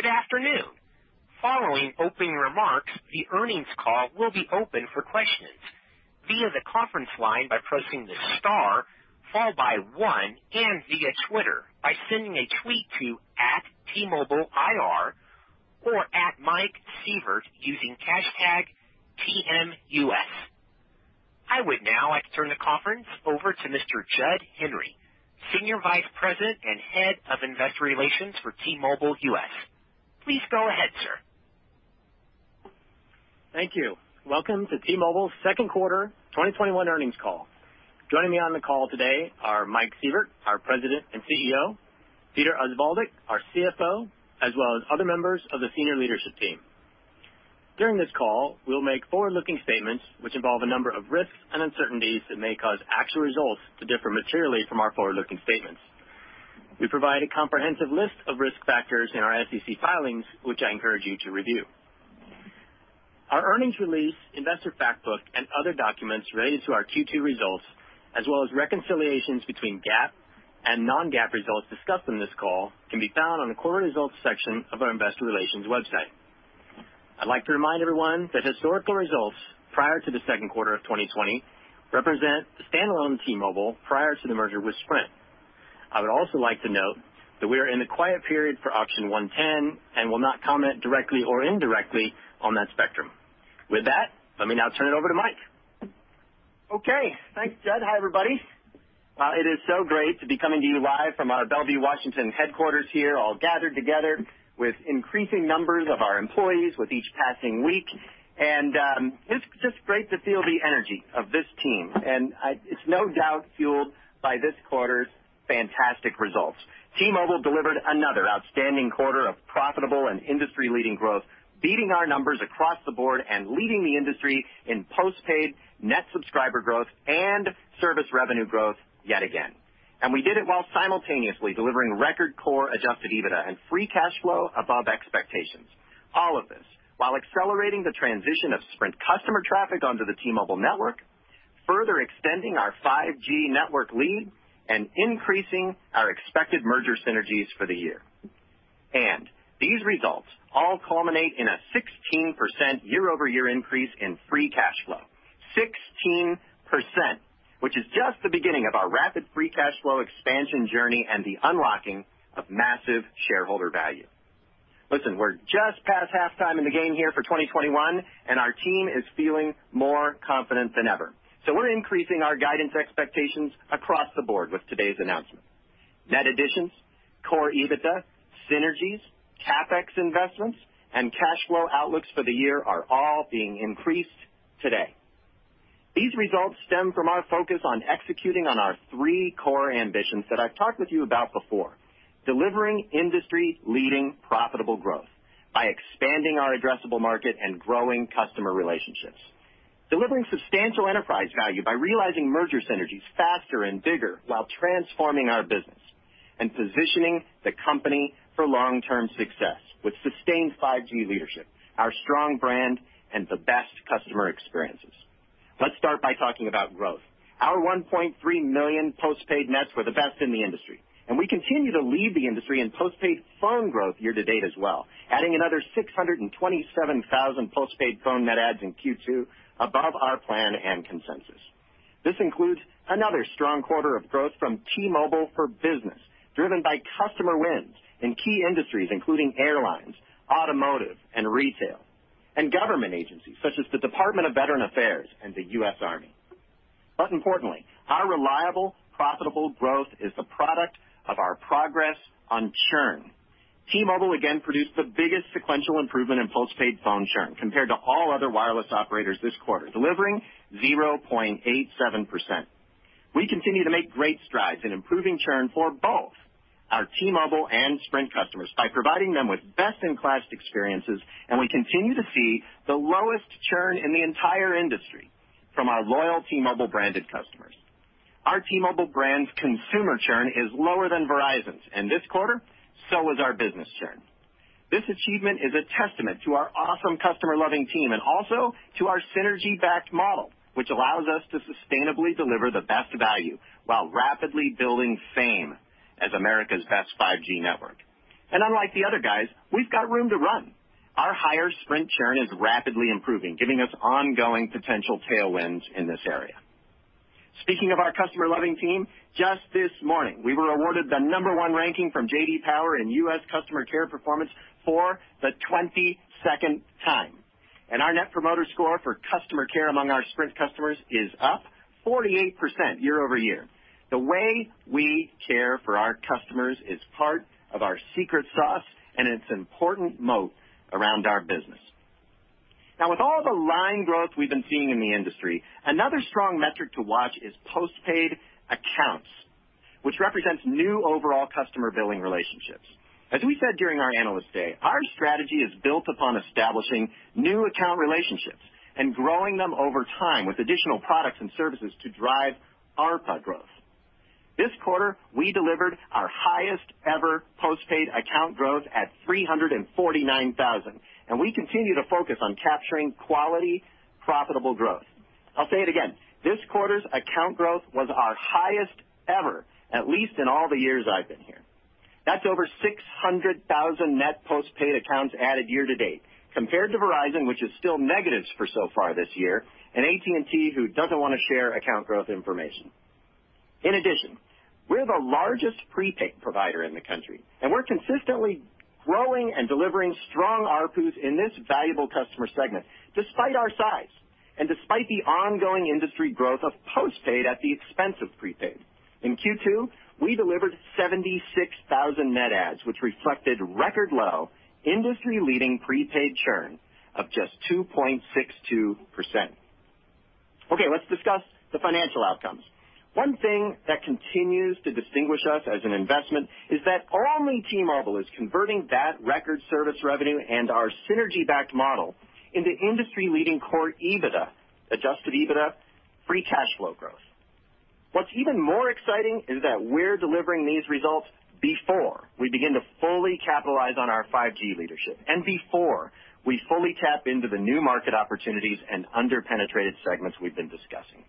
Good afternoon. Following opening remarks, the earnings call will be open for questions via the conference line by pressing the star followed by one and via Twitter by sending a tweet to @TMobileIR or @MikeSievert using hashtag TMUS. I would now like to turn the conference over to Mr. Jud Henry, Senior Vice President and Head of Investor Relations for T-Mobile US. Please go ahead, sir. Thank you. Welcome to T-Mobile's second quarter 2021 earnings call. Joining me on the call today are Mike Sievert, our President and CEO, Peter Osvaldik, our CFO, as well as other members of the senior leadership team. During this call, we'll make forward-looking statements which involve a number of risks and uncertainties that may cause actual results to differ materially from our forward-looking statements. We provide a comprehensive list of risk factors in our SEC filings, which I encourage you to review. Our earnings release, investor fact book, and other documents related to our Q2 results, as well as reconciliations between GAAP and non-GAAP results discussed on this call can be found on the quarter results section of our investor relations website. I'd like to remind everyone that historical results prior to the second quarter of 2020 represent standalone T-Mobile prior to the merger with Sprint. I would also like to note that we are in the quiet period for Auction 110 and will not comment directly or indirectly on that spectrum. With that, let me now turn it over to Mike. Okay, thanks, Jud. Hi, everybody. It is so great to be coming to you live from our Bellevue, Washington headquarters here, all gathered together with increasing numbers of our employees with each passing week. It's just great to feel the energy of this team. It's no doubt fueled by this quarter's fantastic results. T-Mobile delivered another outstanding quarter of profitable and industry-leading growth, beating our numbers across the board and leading the industry in postpaid net subscriber growth and service revenue growth yet again. We did it while simultaneously delivering record core adjusted EBITDA and free cash flow above expectations. All of this while accelerating the transition of Sprint customer traffic onto the T-Mobile network, further extending our 5G network lead and increasing our expected merger synergies for the year. These results all culminate in a 16% year-over-year increase in free cash flow. 16%, which is just the beginning of our rapid free cash flow expansion journey and the unlocking of massive shareholder value. Listen, we're just past halftime in the game here for 2021, and our team is feeling more confident than ever. We're increasing our guidance expectations across the board with today's announcement. Net additions, core EBITDA, synergies, CapEx investments, and cash flow outlooks for the year are all being increased today. These results stem from our focus on executing on our three core ambitions that I've talked with you about before. Delivering industry-leading profitable growth by expanding our addressable market and growing customer relationships. Delivering substantial enterprise value by realizing merger synergies faster and bigger while transforming our business and positioning the company for long-term success with sustained 5G leadership, our strong brand, and the best customer experiences. Let's start by talking about growth. Our 1.3 million postpaid nets were the best in the industry. We continue to lead the industry in postpaid phone growth year-to-date as well, adding another 627,000 postpaid phone net adds in Q2 above our plan and consensus. This includes another strong quarter of growth from T-Mobile for Business, driven by customer wins in key industries including airlines, automotive, and retail, and government agencies such as the Department of Veterans Affairs and the US Army. Importantly, our reliable, profitable growth is the product of our progress on churn. T-Mobile again produced the biggest sequential improvement in postpaid phone churn compared to all other wireless operators this quarter, delivering 0.87%. We continue to make great strides in improving churn for both our T-Mobile and Sprint customers by providing them with best-in-class experiences. We continue to see the lowest churn in the entire industry from our loyal T-Mobile-branded customers. Our T-Mobile brand's consumer churn is lower than Verizon's, and this quarter, so is our business churn. This achievement is a testament to our awesome customer-loving team and also to our synergy-backed model, which allows us to sustainably deliver the best value while rapidly building fame as America's best 5G network. Unlike the other guys, we've got room to run. Our higher Sprint churn is rapidly improving, giving us ongoing potential tailwinds in this area. Speaking of our customer-loving team, just this morning, we were awarded the number one ranking from JD Power in U.S. customer care performance for the 22nd time. Our net promoter score for customer care among our Sprint customers is up 48% year-over-year. The way we care for our customers is part of our secret sauce, and it's an important moat around our business. Now with all the line growth we've been seeing in the industry, another strong metric to watch is postpaid accounts, which represents new overall customer billing relationships. As we said during our Analyst Day, our strategy is built upon establishing new account relationships and growing them over time with additional products and services to drive ARPA growth. This quarter, we delivered our highest ever postpaid account growth at 349,000, and we continue to focus on capturing quality, profitable growth. I'll say it again. This quarter's account growth was our highest ever, at least in all the years I've been here. That's over 600,000 net postpaid accounts added year-to-date, compared to Verizon, which is still negative for so far this year, and AT&T, who doesn't want to share account growth information. In addition, we're the largest prepaid provider in the country, and we're consistently growing and delivering strong ARPUs in this valuable customer segment, despite our size and despite the ongoing industry growth of postpaid at the expense of prepaid. In Q2, we delivered 76,000 net adds, which reflected record-low, industry-leading prepaid churn of just 2.62%. Okay, let's discuss the financial outcomes. One thing that continues to distinguish us as an investment is that only T-Mobile is converting that record service revenue and our synergy-backed model into industry-leading core EBITDA, adjusted EBITDA, free cash flow growth. What's even more exciting is that we're delivering these results before we begin to fully capitalize on our 5G leadership, and before we fully tap into the new market opportunities and under-penetrated segments we've been discussing.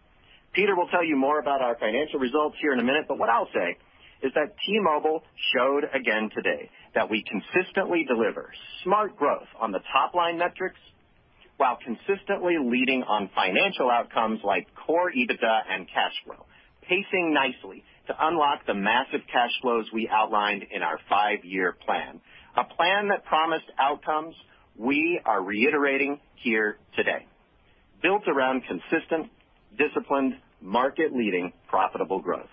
Peter will tell you more about our financial results here in a minute. What I'll say is that T-Mobile showed again today that we consistently deliver smart growth on the top-line metrics while consistently leading on financial outcomes like core EBITDA and cash flow, pacing nicely to unlock the massive cash flows we outlined in our five-year plan, a plan that promised outcomes we are reiterating here today, built around consistent, disciplined, market-leading profitable growth.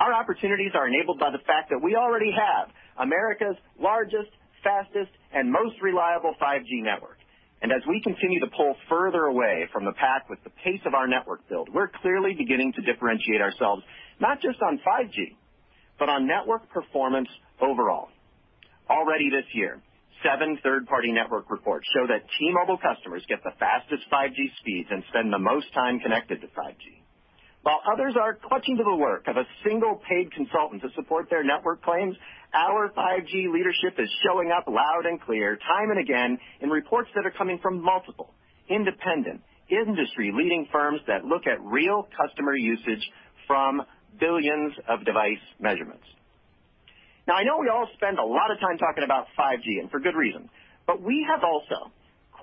Our opportunities are enabled by the fact that we already have America's largest, fastest, and most reliable 5G network. As we continue to pull further away from the pack with the pace of our network build, we're clearly beginning to differentiate ourselves not just on 5G, but on network performance overall. Already this year, seven third-party network reports show that T-Mobile customers get the fastest 5G speeds and spend the most time connected to 5G. While others are clutching to the work of a single paid consultant to support their network claims, our 5G leadership is showing up loud and clear time and again in reports that are coming from multiple independent industry-leading firms that look at real customer usage from billions of device measurements. Now I know we all spend a lot of time talking about 5G, and for good reason, but we have also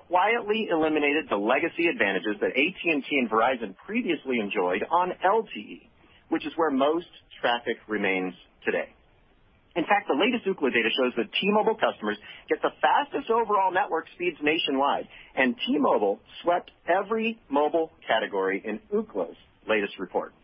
quietly eliminated the legacy advantages that AT&T and Verizon previously enjoyed on LTE, which is where most traffic remains today. In fact, the latest Ookla data shows that T-Mobile customers get the fastest overall network speeds nationwide, and T-Mobile swept every mobile category in Ookla's latest report.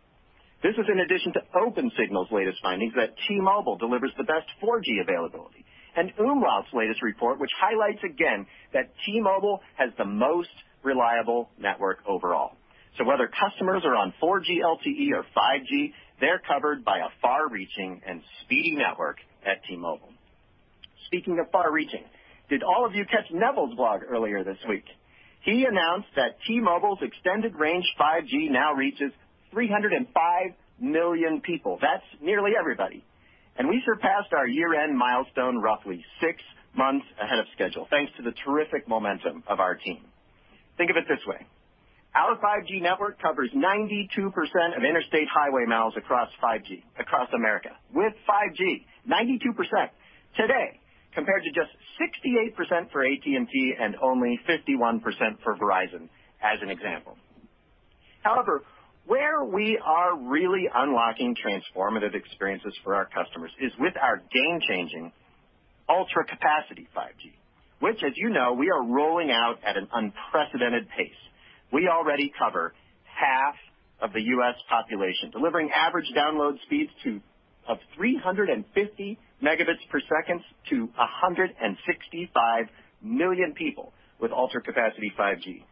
This is in addition to Opensignal's latest findings that T-Mobile delivers the best 4G availability, and Ookla's latest report, which highlights again that T-Mobile has the most reliable network overall. Whether customers are on 4G LTE or 5G, they're covered by a far-reaching and speedy network at T-Mobile. Speaking of far-reaching, did all of you catch Neville's blog earlier this week? He announced that T-Mobile's Extended Range 5G now reaches 305 million people. That's nearly everybody. We surpassed our year-end milestone roughly six months ahead of schedule, thanks to the terrific momentum of our team. Think of it this way. Our 5G network covers 92% of interstate highway miles across America with 5G, 92% today, compared to just 68% for AT&T and only 51% for Verizon as an example. However, where we are really unlocking transformative experiences for our customers is with our game-changing Ultra Capacity 5G, which as you know, we are rolling out at an unprecedented pace. We already cover half of the U.S. population, delivering average download speeds of 350 Mbps to 165 million people with Ultra Capacity 5G.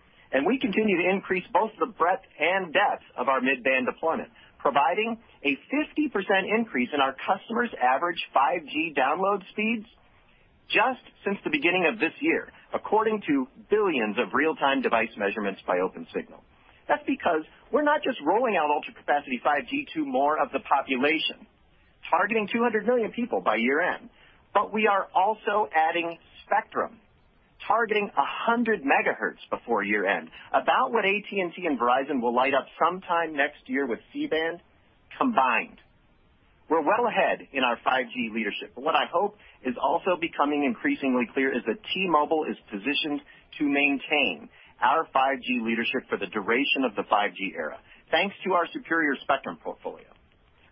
We continue to increase both the breadth and depth of our mid-band deployment, providing a 50% increase in our customers' average 5G download speeds just since the beginning of this year, according to billions of real-time device measurements by Opensignal. That's because we're not just rolling out Ultra Capacity 5G to more of the population, targeting 200 million people by year-end, but we are also adding spectrum, targeting 100 MHz before year-end, about what AT&T and Verizon will light up sometime next year with C-Band combined. We're well ahead in our 5G leadership, but what I hope is also becoming increasingly clear is that T-Mobile is positioned to maintain our 5G leadership for the duration of the 5G era, thanks to our superior spectrum portfolio,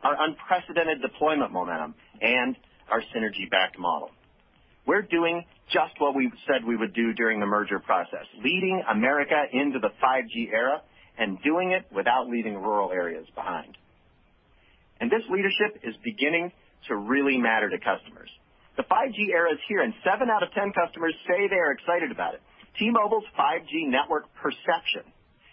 our unprecedented deployment momentum, and our synergy-backed model. We're doing just what we said we would do during the merger process, leading America into the 5G era and doing it without leaving rural areas behind. This leadership is beginning to really matter to customers. The 5G era is here, and 7/10 customers say they are excited about it. T-Mobile's 5G network perception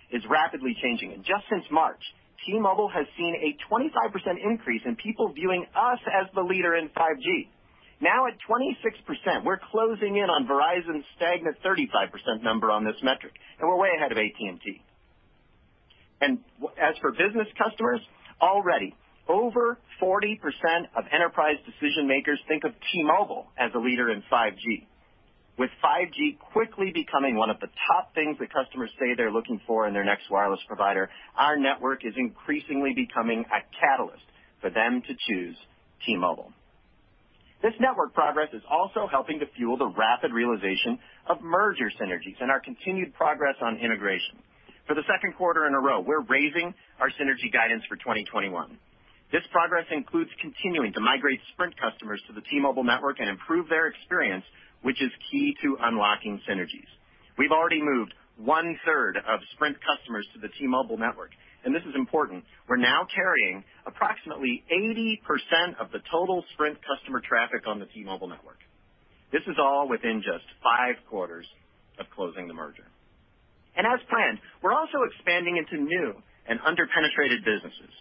is rapidly changing, and just since March, T-Mobile has seen a 25% increase in people viewing us as the leader in 5G. Now at 26%, we're closing in on Verizon's stagnant 35% number on this metric, and we're way ahead of AT&T. As for business customers, already over 40% of enterprise decision-makers think of T-Mobile as a leader in 5G. With 5G quickly becoming one of the top things that customers say they're looking for in their next wireless provider, our network is increasingly becoming a catalyst for them to choose T-Mobile. This network progress is also helping to fuel the rapid realization of merger synergies and our continued progress on integration. For the second quarter in a row, we're raising our synergy guidance for 2021. This progress includes continuing to migrate Sprint customers to the T-Mobile network and improve their experience, which is key to unlocking synergies. We've already moved one-third of Sprint customers to the T-Mobile network, and this is important. We're now carrying approximately 80% of the total Sprint customer traffic on the T-Mobile network. This is all within just five quarters of closing the merger. As planned, we're also expanding into new and under-penetrated businesses.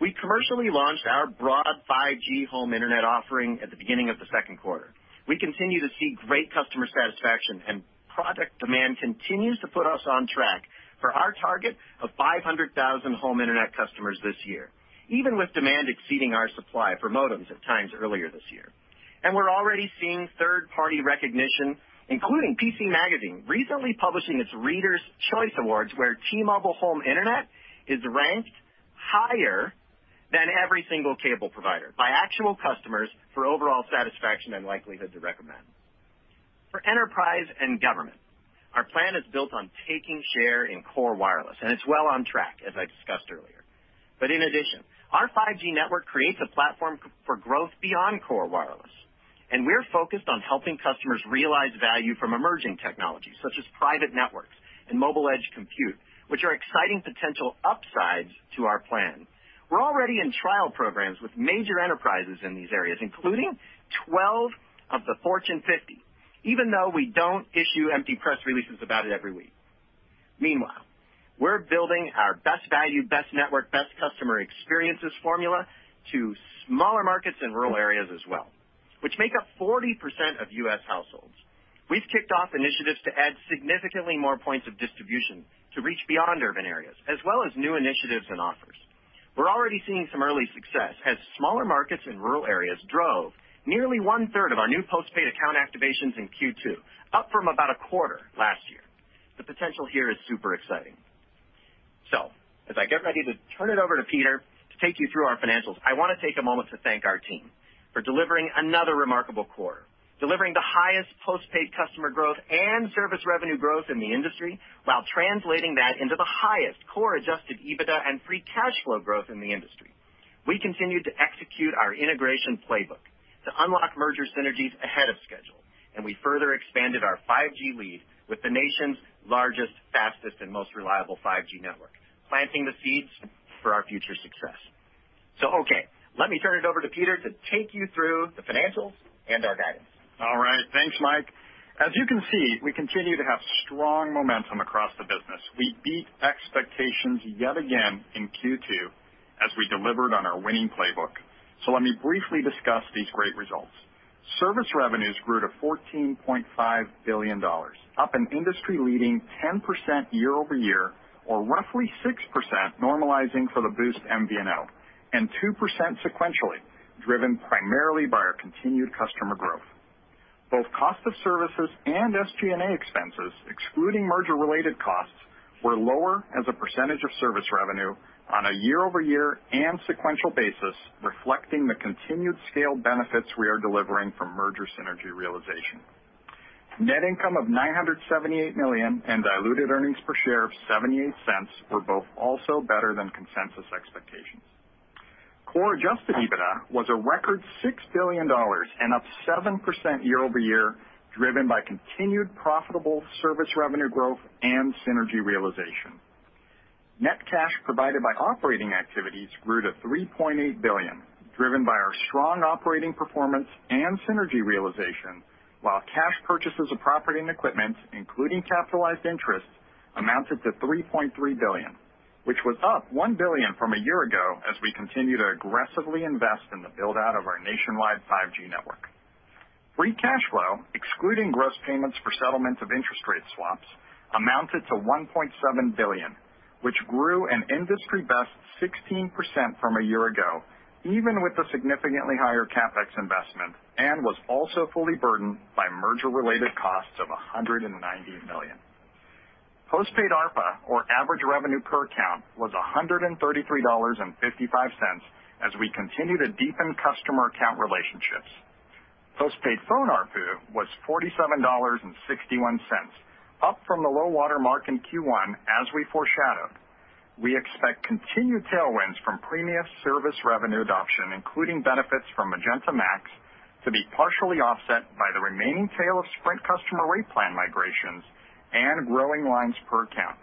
We commercially launched our broad 5G Home Internet offering at the beginning of the second quarter. We continue to see great customer satisfaction, and product demand continues to put us on track for our target of 500,000 Home Internet customers this year, even with demand exceeding our supply for modems at times earlier this year. We're already seeing third-party recognition, including PC Magazine recently publishing its Readers' Choice Awards, where T-Mobile Home Internet is ranked higher than every single cable provider by actual customers for overall satisfaction and likelihood to recommend. For enterprise and government, our plan is built on taking share in core wireless, and it's well on track, as I discussed earlier. In addition, our 5G network creates a platform for growth beyond core wireless, and we're focused on helping customers realize value from emerging technologies such as private networks and mobile edge compute, which are exciting potential upsides to our plan. We're already in trial programs with major enterprises in these areas, including 12 of the Fortune 50, even though we don't issue empty press releases about it every week. We're building our best value, best network, best customer experiences formula to smaller markets in rural areas as well, which make up 40% of U.S. households. We've kicked off initiatives to add significantly more points of distribution to reach beyond urban areas, as well as new initiatives and offers. We're already seeing some early success as smaller markets in rural areas drove nearly one-third of our new postpaid account activations in Q2, up from about a quarter last year. The potential here is super exciting. As I get ready to turn it over to Peter to take you through our financials, I want to take a moment to thank our team for delivering another remarkable quarter, delivering the highest postpaid customer growth and service revenue growth in the industry, while translating that into the highest core adjusted EBITDA and free cash flow growth in the industry. We continued to execute our integration playbook to unlock merger synergies ahead of schedule, and we further expanded our 5G lead with the nation's largest, fastest, and most reliable 5G network, planting the seeds for our future success. Okay, let me turn it over to Peter to take you through the financials and our guidance. All right. Thanks, Mike. As you can see, we continue to have strong momentum across the business. We beat expectations yet again in Q2 as we delivered on our winning playbook. Let me briefly discuss these great results. Service revenues grew to $14.5 billion, up an industry-leading 10% year-over-year, or roughly 6% normalizing for the Boost MVNO, and 2% sequentially, driven primarily by our continued customer growth. Both cost of services and SG&A expenses, excluding merger-related costs, were lower as a percentage of service revenue on a year-over-year and sequential basis, reflecting the continued scale benefits we are delivering from merger synergy realization. Net income of $978 million and diluted earnings per share of $0.78 were both also better than consensus expectations. Core adjusted EBITDA was a record $6 billion and up 7% year-over-year, driven by continued profitable service revenue growth and synergy realization. Net cash provided by operating activities grew to $3.8 billion, driven by our strong operating performance and synergy realization, while cash purchases of property and equipment, including capitalized interest, amounted to $3.3 billion, which was up $1 billion from a year ago as we continue to aggressively invest in the build-out of our nationwide 5G network. Free cash flow, excluding gross payments for settlements of interest rate swaps, amounted to $1.7 billion, which grew an industry-best 16% from a year ago, even with the significantly higher CapEx investment, and was also fully burdened by merger-related costs of $190 million. Postpaid ARPA, or average revenue per account, was $133.55 as we continue to deepen customer account relationships. Postpaid phone ARPU was $47.61, up from the low water mark in Q1 as we foreshadowed. We expect continued tailwinds from premium service revenue adoption, including benefits from Magenta MAX, to be partially offset by the remaining tail of Sprint customer rate plan migrations and growing lines per account.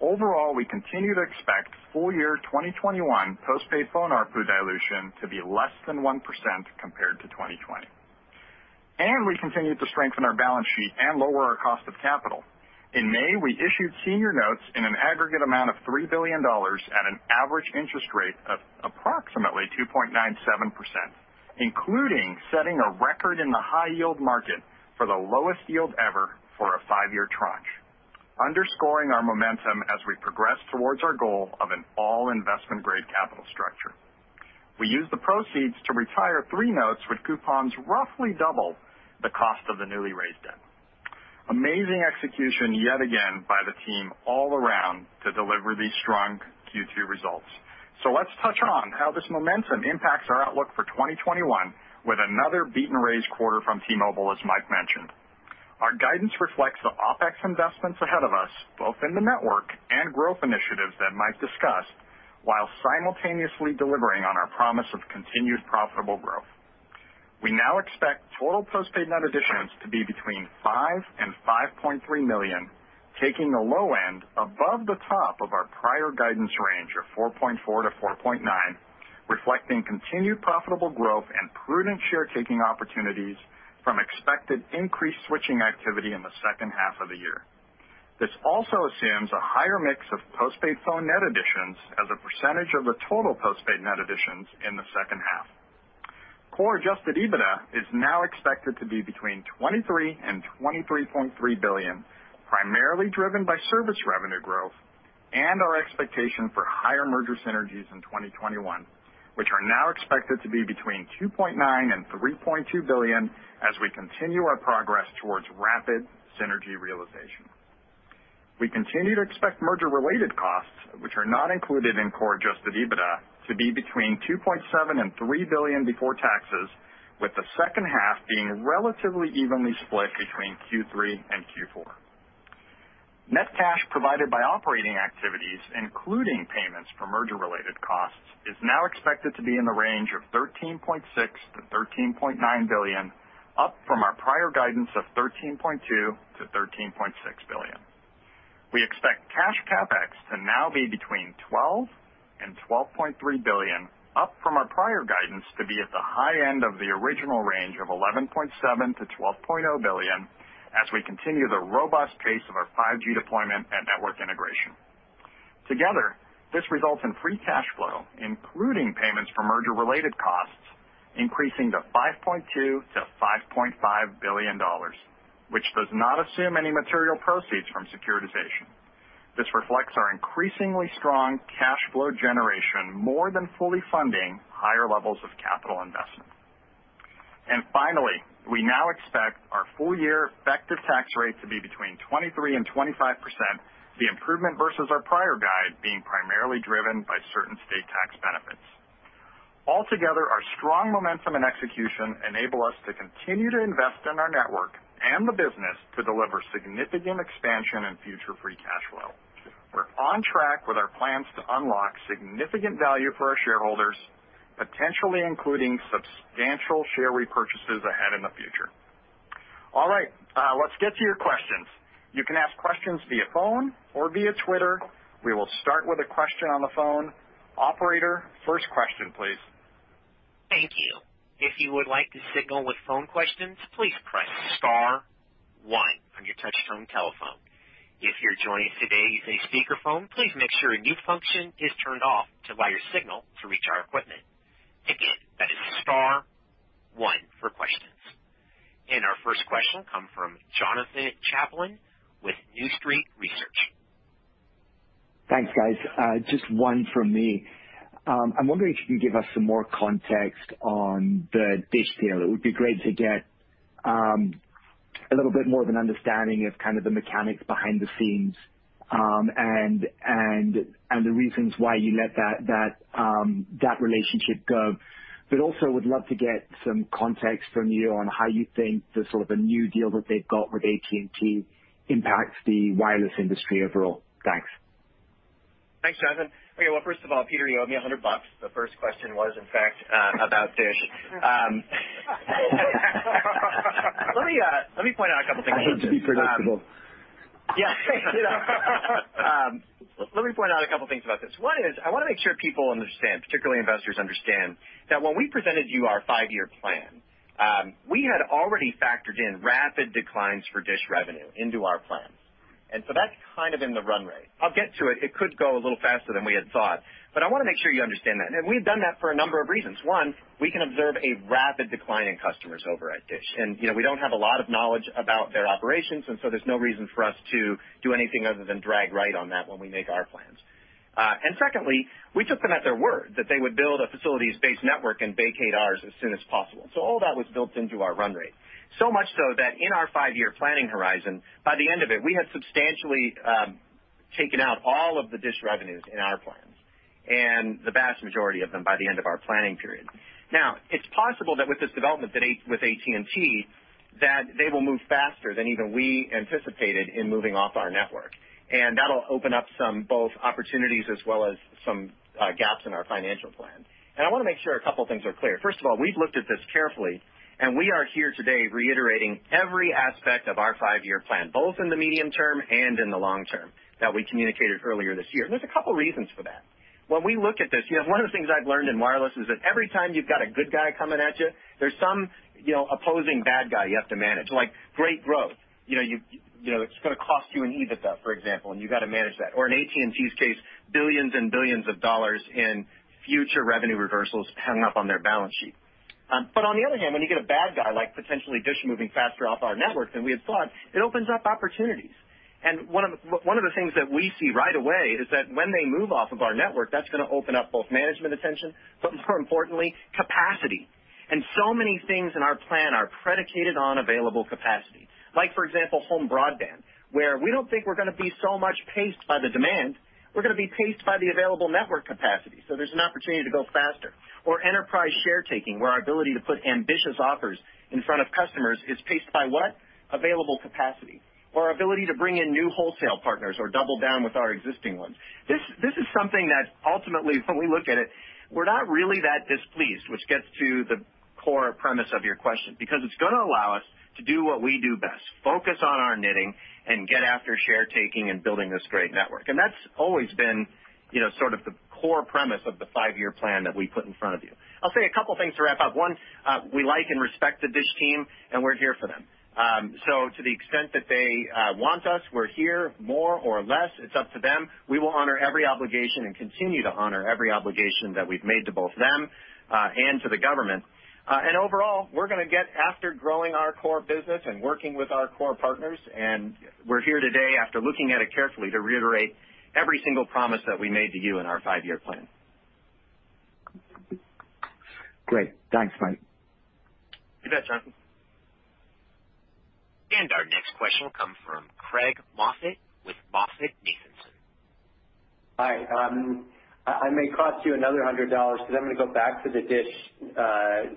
Overall, we continue to expect full year 2021 postpaid phone ARPU dilution to be less than 1% compared to 2020. We continued to strengthen our balance sheet and lower our cost of capital. In May, we issued senior notes in an aggregate amount of $3 billion at an average interest rate of approximately 2.97%, including setting a record in the high-yield market for the lowest yield ever for a five-year tranche, underscoring our momentum as we progress towards our goal of an all investment-grade capital structure. We used the proceeds to retire three notes with coupons roughly double the cost of the newly raised debt. Amazing execution yet again by the team all around to deliver these strong Q2 results. Let's touch on how this momentum impacts our outlook for 2021 with another beat and raise quarter from T-Mobile, as Mike mentioned. Our guidance reflects the OpEx investments ahead of us, both in the network and growth initiatives that Mike discussed, while simultaneously delivering on our promise of continued profitable growth. We now expect total postpaid net additions to be between 5 million and 5.3 million, taking the low end above the top of our prior guidance range of 4.4-4.9, reflecting continued profitable growth and prudent share-taking opportunities from expected increased switching activity in the second half of the year. This also assumes a higher mix of postpaid phone net additions as a percentage of the total postpaid net additions in the second half. Core adjusted EBITDA is now expected to be between $23 billion and $23.3 billion, primarily driven by service revenue growth and our expectation for higher merger synergies in 2021, which are now expected to be between $2.9 billion and $3.2 billion as we continue our progress towards rapid synergy realization. We continue to expect merger-related costs, which are not included in core adjusted EBITDA, to be between $2.7 billion and $3 billion before taxes, with the second half being relatively evenly split between Q3 and Q4. Net cash provided by operating activities, including payments for merger-related costs, is now expected to be in the range of $13.6 billion-$13.9 billion, up from our prior guidance of $13.2 billion-$13.6 billion. We expect cash CapEx to now be between $12 billion and $12.3 billion, up from our prior guidance to be at the high end of the original range of $11.7 billion-$12.0 billion as we continue the robust pace of our 5G deployment and network integration. Together, this results in free cash flow, including payments for merger-related costs, increasing to $5.2 billion-$5.5 billion, which does not assume any material proceeds from securitization. This reflects our increasingly strong cash flow generation more than fully funding higher levels of capital investment. Finally, we now expect our full-year effective tax rate to be between 23% and 25%, the improvement versus our prior guide being primarily driven by certain state tax benefits. Altogether, our strong momentum and execution enable us to continue to invest in our network and the business to deliver significant expansion and future free cash flow. We're on track with our plans to unlock significant value for our shareholders, potentially including substantial share repurchases ahead in the future. All right, let's get to your questions. You can ask questions via phone or via Twitter. We will start with a question on the phone. Operator, first question, please. Thank you. If you would like to signal with phone questions, please press star one on your touchtone telephone. If you're joining today via speakerphone, please make sure mute function is turned off to allow your signal to reach our equipment. Again, that is star one for questions. Our first question come from Jonathan Chaplin with New Street Research. Thanks, guys. Just one from me. I'm wondering if you can give us some more context on the Dish deal. It would be great to get a little bit more of an understanding of kind of the mechanics behind the scenes, and the reasons why you let that relationship go. Also would love to get some context from you on how you think the sort of a new deal that they've got with AT&T impacts the wireless industry overall. Thanks. Thanks, Jonathan. Okay, well, first of all, Peter, you owe me $100. The first question was, in fact, about Dish. Let me point out a couple things. I hate to be predictable. Yeah. Let me point out a couple things about this. One is, I want to make sure people understand, particularly investors understand, that when we presented you our five-year plan, we had already factored in rapid declines for Dish revenue into our plans. That's kind of in the run rate. I'll get to it. It could go a little faster than we had thought, but I want to make sure you understand that. We've done that for a number of reasons. One, we can observe a rapid decline in customers over at Dish, and we don't have a lot of knowledge about their operations, and so there's no reason for us to do anything other than drag right on that when we make our plans. Secondly, we took them at their word that they would build a facilities-based network and vacate ours as soon as possible. All that was built into our run rate. Much so that in our five-year planning horizon, by the end of it, we had substantially taken out all of the Dish revenues in our plans and the vast majority of them by the end of our planning period. Now, it's possible that with this development with AT&T, that they will move faster than even we anticipated in moving off our network. That'll open up some both opportunities as well as some gaps in our financial plan. I want to make sure a couple of things are clear. First of all, we've looked at this carefully, and we are here today reiterating every aspect of our five-year plan, both in the medium term and in the long term that we communicated earlier this year. There's a couple reasons for that. When we look at this, one of the things I've learned in wireless is that every time you've got a good guy coming at you, there's some opposing bad guy you have to manage. Like great growth, it's going to cost you an EBITDA, for example, and you got to manage that. In AT&T's case, billions and billions of dollars in future revenue reversals hanging up on their balance sheet. On the other hand, when you get a bad guy, like potentially Dish moving faster off our network than we had thought, it opens up opportunities. One of the things that we see right away is that when they move off of our network, that's going to open up both management attention, but more importantly, capacity. Many things in our plan are predicated on available capacity. Like for example, home broadband, where we don't think we're going to be so much paced by the demand, we're going to be paced by the available network capacity. There's an opportunity to go faster. Enterprise share taking, where our ability to put ambitious offers in front of customers is paced by what? Available capacity. Our ability to bring in new wholesale partners or double down with our existing ones. This is something that ultimately, when we look at it, we're not really that displeased, which gets to the core premise of your question, because it's going to allow us to do what we do best, focus on our knitting and get after share taking and building this great network. That's always been the core premise of the five-year plan that we put in front of you. I'll say a couple things to wrap up. One, we like and respect the Dish team and we're here for them. To the extent that they want us, we're here more or less, it's up to them. We will honor every obligation and continue to honor every obligation that we've made to both them and to the government. Overall, we're going to get after growing our core business and working with our core partners. We're here today after looking at it carefully to reiterate every single promise that we made to you in our five-year plan. Great. Thanks, Mike. You bet, Jonathan. Our next question will come from Craig Moffett with MoffettNathanson. Hi. I may cost you another $100 because I'm going to go back to the Dish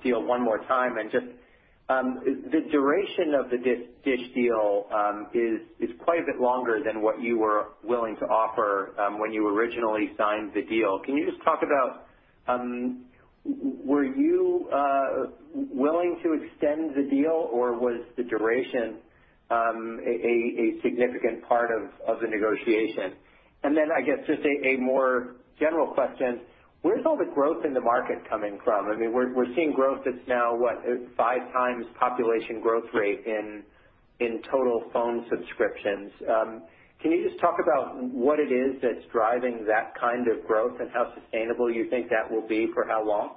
deal one more time and just, the duration of the Dish deal is quite a bit longer than what you were willing to offer when you originally signed the deal. Can you just talk about, were you willing to extend the deal or was the duration a significant part of the negotiation? I guess just a more general question, where's all the growth in the market coming from? I mean, we're seeing growth that's now, what, five times population growth rate in total phone subscriptions. Can you just talk about what it is that's driving that kind of growth and how sustainable you think that will be for how long?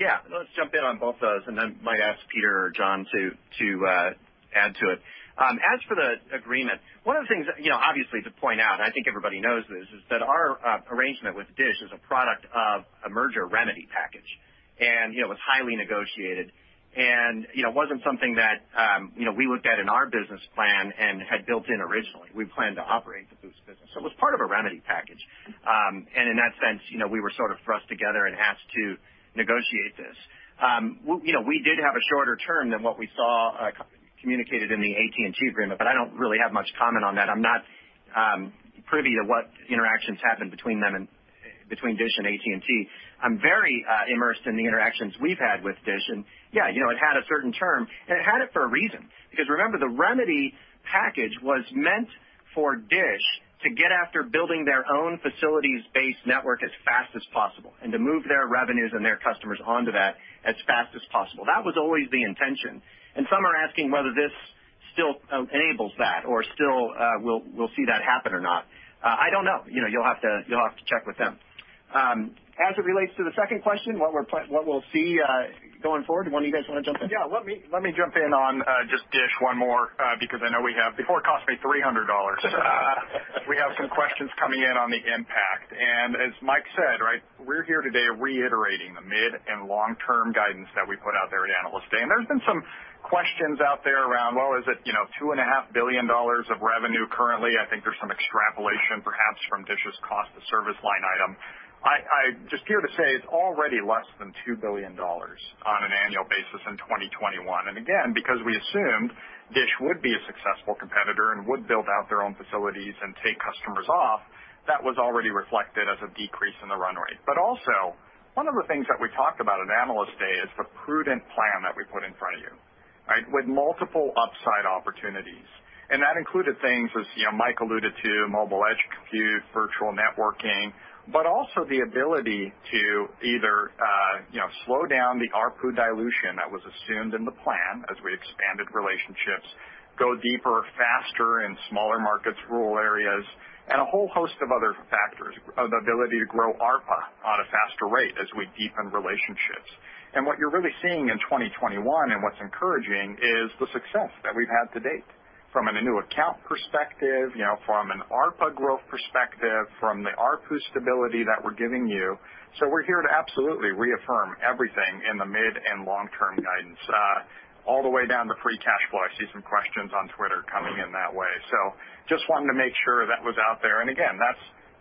Yeah. Let's jump in on both of those and then might ask Peter or Jon to add to it. As for the agreement, one of the things obviously to point out, and I think everybody knows this, is that our arrangement with Dish is a product of a merger remedy package, and it was highly negotiated and wasn't something that we looked at in our business plan and had built in originally. We planned to operate the Boost business. It was part of a remedy package. In that sense, we were sort of thrust together and asked to negotiate this. We did have a shorter term than what we saw communicated in the AT&T agreement, but I don't really have much comment on that. I'm not privy to what interactions happen between Dish and AT&T. I'm very immersed in the interactions we've had with Dish, yeah, it had a certain term, and it had it for a reason. Remember, the remedy package was meant for Dish to get after building their own facilities-based network as fast as possible and to move their revenues and their customers onto that as fast as possible. That was always the intention. Some are asking whether this still enables that or still we'll see that happen or not. I don't know. You'll have to check with them. As it relates to the second question, what we'll see going forward, one of you guys want to jump in? Let me jump in on just Dish one more, because I know before it costs me $300. We have some questions coming in on the impact. As Mike said, we're here today reiterating the mid and long-term guidance that we put out there at Analyst Day. There's been some questions out there around, well, is it $2.5 billion of revenue currently? I think there's some extrapolation perhaps from Dish's cost to service line item. I just here to say it's already less than $2 billion on an annual basis in 2021. Again, because we assumed Dish would be a successful competitor and would build out their own facilities and take customers off, that was already reflected as a decrease in the run rate. One of the things that we talked about at Analyst Day is the prudent plan that we put in front of you. With multiple upside opportunities. That included things, as Mike alluded to, mobile edge compute, virtual networking, but also the ability to either slow down the ARPU dilution that was assumed in the plan as we expanded relationships, go deeper, faster in smaller markets, rural areas, and a whole host of other factors, the ability to grow ARPA on a faster rate as we deepen relationships. What you're really seeing in 2021, and what's encouraging, is the success that we've had to date from a new account perspective, from an ARPA growth perspective, from the ARPU stability that we're giving you. We're here to absolutely reaffirm everything in the mid and long-term guidance, all the way down to free cash flow. I see some questions on Twitter coming in that way. Just wanted to make sure that was out there. Again,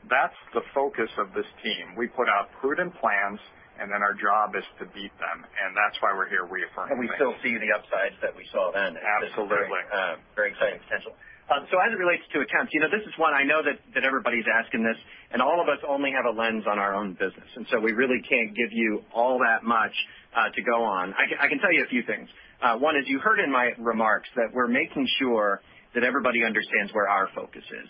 that's the focus of this team. We put out prudent plans, and then our job is to beat them, and that's why we're here reaffirming. We still see the upsides that we saw then. Absolutely. As it relates to accounts, this is one I know that everybody's asking this, all of us only have a lens on our own business, we really can't give you all that much to go on. I can tell you a few things. One is, you heard in my remarks that we're making sure that everybody understands where our focus is.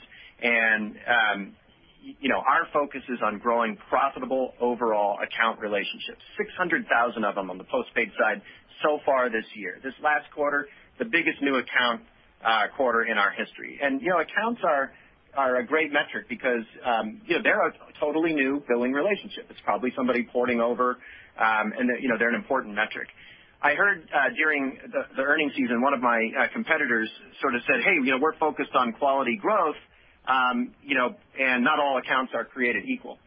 Our focus is on growing profitable overall account relationships, 600,000 of them on the postpaid side so far this year. This last quarter, the biggest new account- quarter in our history. Accounts are a great metric because they're a totally new billing relationship. It's probably somebody porting over, they're an important metric. I heard during the earnings season, one of my competitors sort of said, "Hey, we're focused on quality growth, and not all accounts are created equal."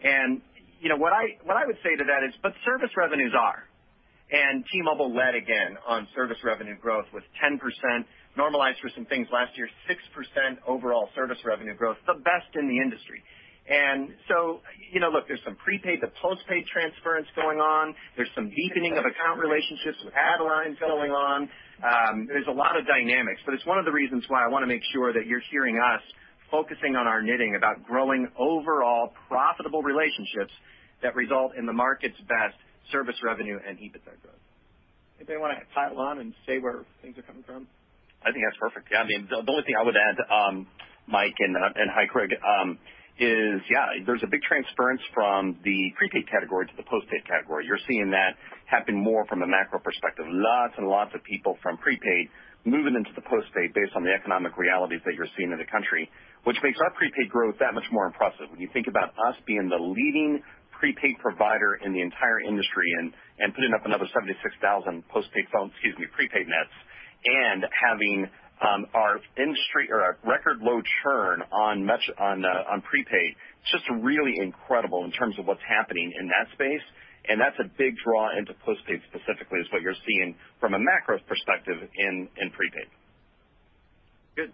What I would say to that is, but service revenues are. T-Mobile led again on service revenue growth with 10%, normalized for some things last year, 6% overall service revenue growth, the best in the industry. Look, there's some prepaid to postpaid transference going on. There's some deepening of account relationships with add lines going on. There's a lot of dynamics, but it's one of the reasons why I want to make sure that you're hearing us focusing on our knitting about growing overall profitable relationships that result in the market's best service revenue and EBITDA growth. If they want to pile on and say where things are coming from. I think that's perfect. Yeah, the only thing I would add, Mike, and hi, Craig, is yeah, there's a big transference from the prepaid category to the postpaid category. You're seeing that happen more from a macro perspective. Lots and lots of people from prepaid moving into the postpaid based on the economic realities that you're seeing in the country, which makes our prepaid growth that much more impressive when you think about us being the leading prepaid provider in the entire industry and putting up another 76,000 prepaid nets and having our industry or our record low churn on prepaid. It's just really incredible in terms of what's happening in that space, and that's a big draw into postpaid specifically, is what you're seeing from a macro perspective in prepaid. Good.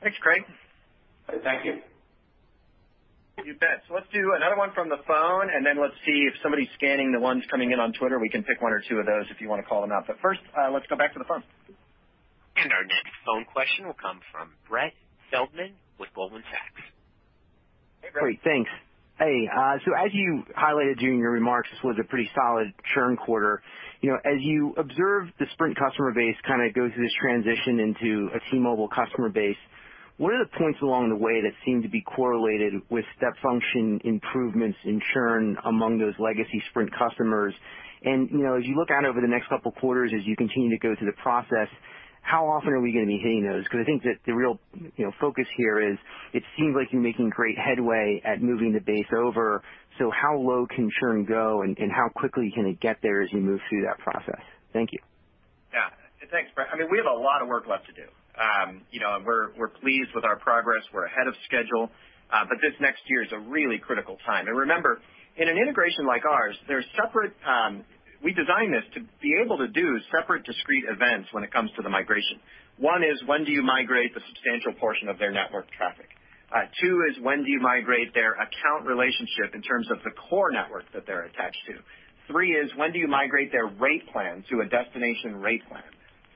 Thanks, Craig. Thank you. You bet. Let's do another one from the phone, and then let's see if somebody's scanning the ones coming in on Twitter. We can pick one or two of those if you want to call them out. First, let's go back to the phone. Our next phone question will come from Brett Feldman with Goldman Sachs. Hey, Brett. Great. Thanks. Hey, as you highlighted during your remarks, this was a pretty solid churn quarter. As you observe the Sprint customer base kind of go through this transition into a T-Mobile customer base, what are the points along the way that seem to be correlated with step function improvements in churn among those legacy Sprint customers? As you look out over the next couple of quarters, as you continue to go through the process, how often are we going to be hitting those? Because I think that the real focus here is it seems like you're making great headway at moving the base over. How low can churn go, and how quickly can it get there as you move through that process? Thank you. Yeah. Thanks, Brett. We have a lot of work left to do. We're pleased with our progress. We're ahead of schedule. This next year is a really critical time. Remember, in an integration like ours, we designed this to be able to do separate discrete events when it comes to the migration. One is when do you migrate the substantial portion of their network traffic? Two is when do you migrate their account relationship in terms of the core network that they're attached to? Three is when do you migrate their rate plan to a destination rate plan?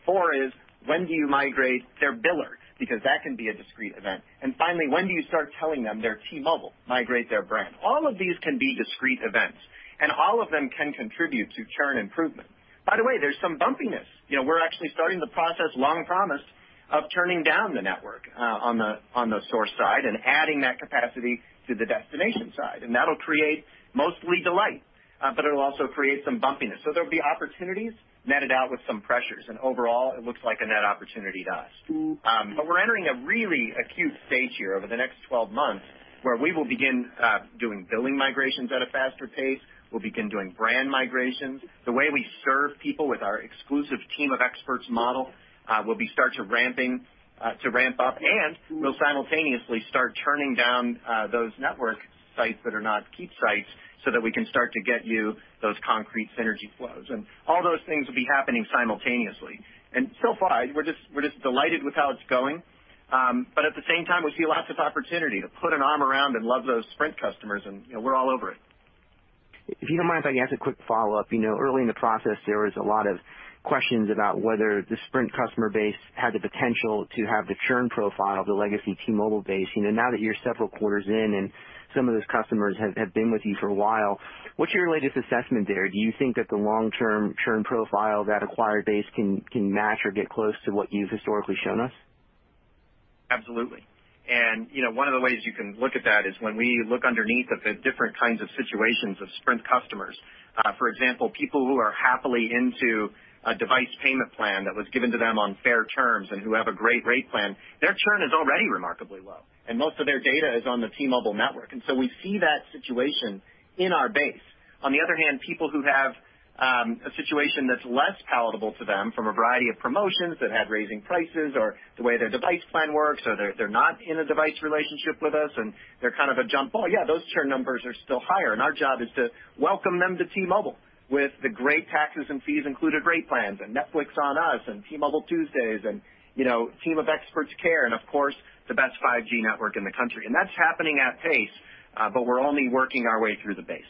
Four is when do you migrate their biller, because that can be a discrete event. Finally, when do you start telling them they're T-Mobile, migrate their brand? All of these can be discrete events, and all of them can contribute to churn improvement. By the way, there's some bumpiness. We're actually starting the process, long promised, of turning down the network on the source side and adding that capacity to the destination side. That'll create mostly delight, but it'll also create some bumpiness. There'll be opportunities netted out with some pressures. Overall, it looks like a net opportunity to us. We're entering a really acute stage here over the next 12 months where we will begin doing billing migrations at a faster pace. We'll begin doing brand migrations. The way we serve people with our exclusive Team of Experts model will be start to ramp up. We'll simultaneously start turning down those network sites that are not keep sites so that we can start to get you those concrete synergy flows. All those things will be happening simultaneously. So far, we're just delighted with how it's going. At the same time, we see lots of opportunity to put an arm around and love those Sprint customers, and we're all over it. If you don't mind, if I can ask a quick follow-up. Early in the process, there was a lot of questions about whether the Sprint customer base had the potential to have the churn profile of the legacy T-Mobile base. Now that you're several quarters in and some of those customers have been with you for a while, what's your latest assessment there? Do you think that the long-term churn profile of that acquired base can match or get close to what you've historically shown us? Absolutely. One of the ways you can look at that is when we look underneath of the different kinds of situations of Sprint customers. For example, people who are happily into a device payment plan that was given to them on fair terms and who have a great rate plan, their churn is already remarkably low, and most of their data is on the T-Mobile network, and so we see that situation in our base. On the other hand, people who have a situation that's less palatable to them from a variety of promotions, that had raising prices or the way their device plan works, or they're not in a device relationship with us and they're kind of a jump ball, yeah, those churn numbers are still higher, and our job is to welcome them to T-Mobile with the great taxes and fees included rate plans and Netflix On Us and T-Mobile Tuesdays and Team of Experts care and of course, the best 5G network in the country. That's happening at pace, but we're only working our way through the base.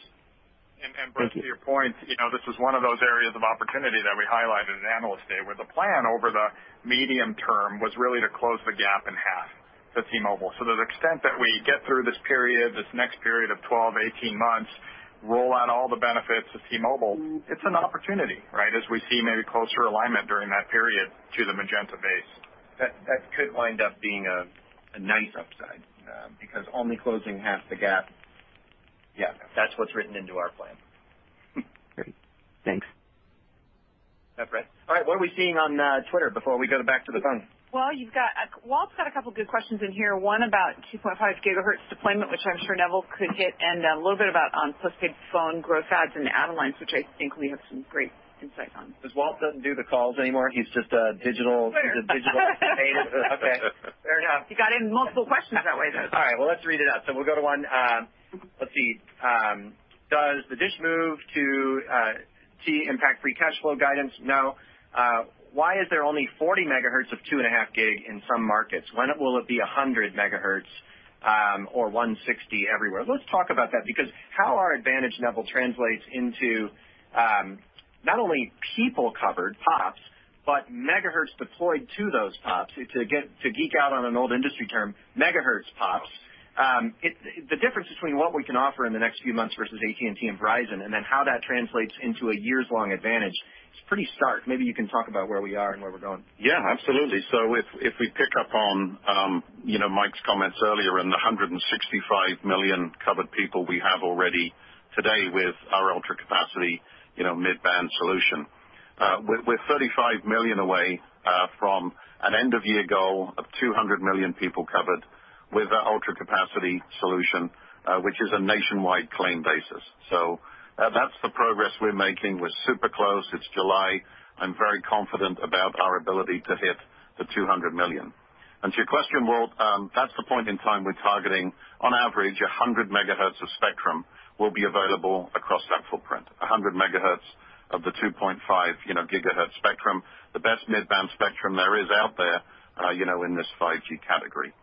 Thank you. Brett, to your point, this is one of those areas of opportunity that we highlighted at Analyst Day, where the plan over the medium term was really to close the gap in half to T-Mobile. To the extent that we get through this period, this next period of 12-18 months, roll out all the benefits of T-Mobile, it's an opportunity, right, as we see maybe closer alignment during that period to the Magenta base. That could wind up being a nice upside, because only closing half the gap. Yeah. That's what's written into our plan. Great. Thanks. Yeah, Brett. All right, what are we seeing on Twitter before we go back to the phone? Walt's got a couple of good questions in here, one about 2.5GHz deployment, which I'm sure Neville could hit, and a little bit about on postpaid phone growth adds and add-lines, which I think we have some great insight on. Because Walt doesn't do the calls anymore, he's just a digital native. Okay, fair enough. He got in multiple questions that way, though. All right, well, let's read it out. We'll go to one. Let's see. Does the Dish Network move to T-Mobile impact free cash flow guidance? No. Why is there only 40 MHz of 2.5 GHz in some markets? When will it be 100 MHz, or 160MHz everywhere? Let's talk about that, because how our advantage, Neville, translates into, not only people covered, POPs, but megahertz deployed to those POPs. To geek out on an old industry term, megahertz POPs. The difference between what we can offer in the next few months versus AT&T and Verizon and then how that translates into a years-long advantage is pretty stark. Maybe you can talk about where we are and where we're going. Yeah, absolutely. If we pick up on Mike's comments earlier and the 165 million covered people we have already today with our ultra capacity mid-band solution. We're 35 million away from an end-of-year goal of 200 million people covered with that ultra capacity solution, which is a nationwide claim basis. That's the progress we're making. We're super close. It's July. I'm very confident about our ability to hit the 200 million. To your question, Walt, that's the point in time we're targeting, on average, 100 megahertz of spectrum will be available across that footprint, 100 MHz of the 2.5 GHz spectrum, the best mid-band spectrum there is out there in this 5G category.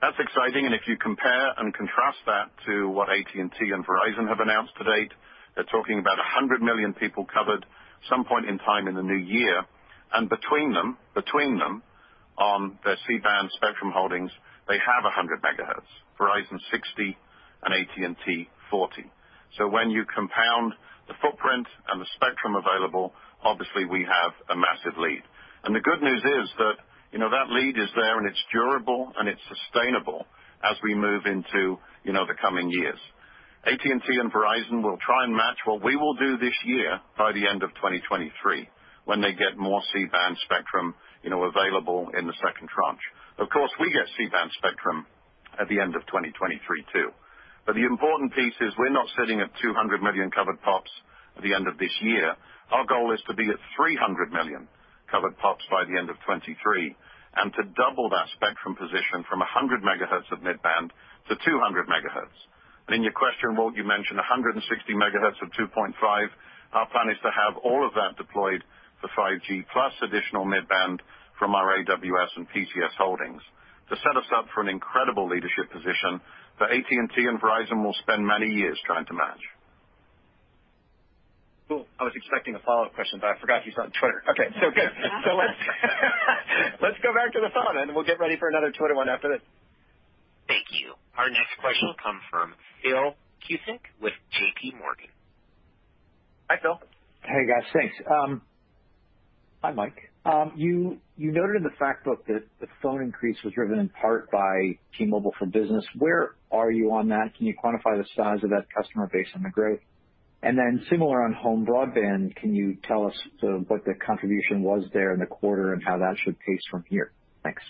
That's exciting, and if you compare and contrast that to what AT&T and Verizon have announced to date, they're talking about 100 million people covered some point in time in the new year. Between them, on their C-Band spectrum holdings, they have 100 MHz, Verizon 60MHz and AT&T 40MHz. When you compound the footprint and the spectrum available, obviously we have a massive lead. The good news is that lead is there and it's durable and it's sustainable as we move into the coming years. AT&T and Verizon will try and match what we will do this year by the end of 2023 when they get more C-Band spectrum available in the second tranche. Of course, we get C-Band spectrum at the end of 2023, too. The important piece is we're not sitting at 200 million covered pops at the end of this year. Our goal is to be at 300 million covered pops by the end of 2023, and to double that spectrum position from 100 MHz of mid-band to 200 MHz. In your question, Walt, you mentioned 160 MHz of 2.5 GHz. Our plan is to have all of that deployed for 5G plus additional mid-band from our AWS and PCS holdings to set us up for an incredible leadership position that AT&T and Verizon will spend many years trying to match. Cool. I was expecting a follow-up question, but I forgot he's on Twitter. Okay, good. Let's go back to the phone, we'll get ready for another Twitter one after this. Thank you. Our next question will come from Philip Cusick with JPMorgan. Hi, Phil. Hey, guys. Thanks. Hi, Mike. You noted in the fact book that the phone increase was driven in part by T-Mobile for Business. Where are you on that? Can you quantify the size of that customer base on the growth? Similar on home broadband, can you tell us what the contribution was there in the quarter and how that should pace from here? Thanks.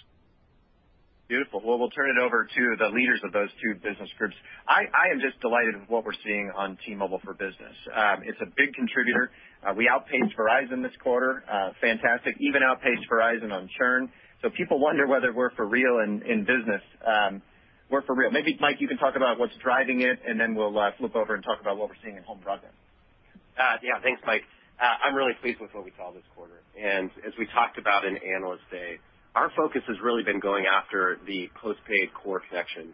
Beautiful. Well, we'll turn it over to the leaders of those two business groups. I am just delighted with what we're seeing on T-Mobile for Business. It's a big contributor. We outpaced Verizon this quarter. Fantastic. Even outpaced Verizon on churn. People wonder whether we're for real in business. We're for real. Maybe, Mike, you can talk about what's driving it, and then we'll flip over and talk about what we're seeing in home broadband. Yeah. Thanks, Mike. I'm really pleased with what we saw this quarter. As we talked about in Analyst Day, our focus has really been going after the post-paid core connection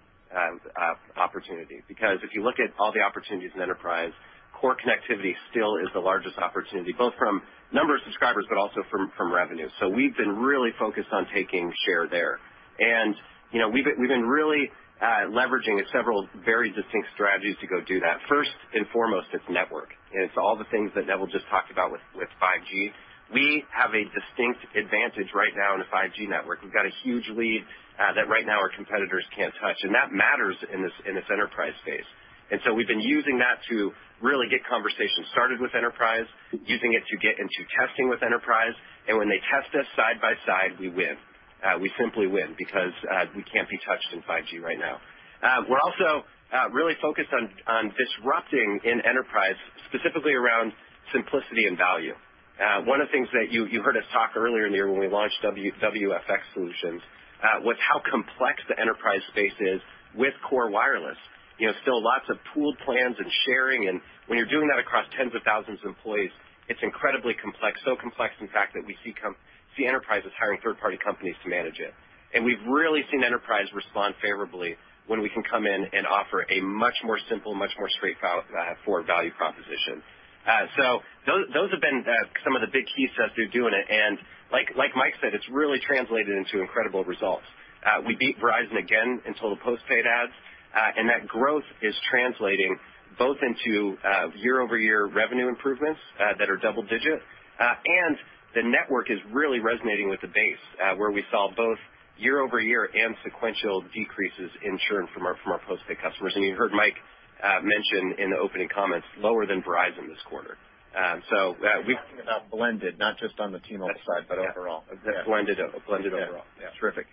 opportunity. If you look at all the opportunities in enterprise, core connectivity still is the largest opportunity, both from number of subscribers, but also from revenue. We've been really focused on taking share there. We've been really leveraging several very distinct strategies to go do that. First and foremost, it's network, and it's all the things that Neville just talked about with 5G. We have a distinct advantage right now in a 5G network. We've got a huge lead that right now our competitors can't touch, and that matters in this enterprise space. We've been using that to really get conversations started with enterprise, using it to get into testing with enterprise, and when they test us side by side, we win. We simply win because we can't be touched in 5G right now. We're also really focused on disrupting in enterprise, specifically around simplicity and value. One of the things that you heard us talk earlier in the year when we launched WFX solutions, was how complex the enterprise space is with core wireless. Still lots of pooled plans and sharing, and when you're doing that across tens of thousands of employees, it's incredibly complex. Complex, in fact, that we see enterprises hiring third-party companies to manage it. We've really seen enterprise respond favorably when we can come in and offer a much more simple, much more straightforward value proposition. Those have been some of the big keys to us through doing it, and like Mike said, it's really translated into incredible results. We beat Verizon again in total postpaid adds, and that growth is translating Both into year-over-year revenue improvements that are double-digit, the network is really resonating with the base, where we saw both year-over-year and sequential decreases in churn from our postpaid customers. You heard Mike mention in the opening comments, lower than Verizon this quarter. Talking about blended, not just on the T-Mobile side, but overall. Yeah. Blended overall. Yeah. Terrific.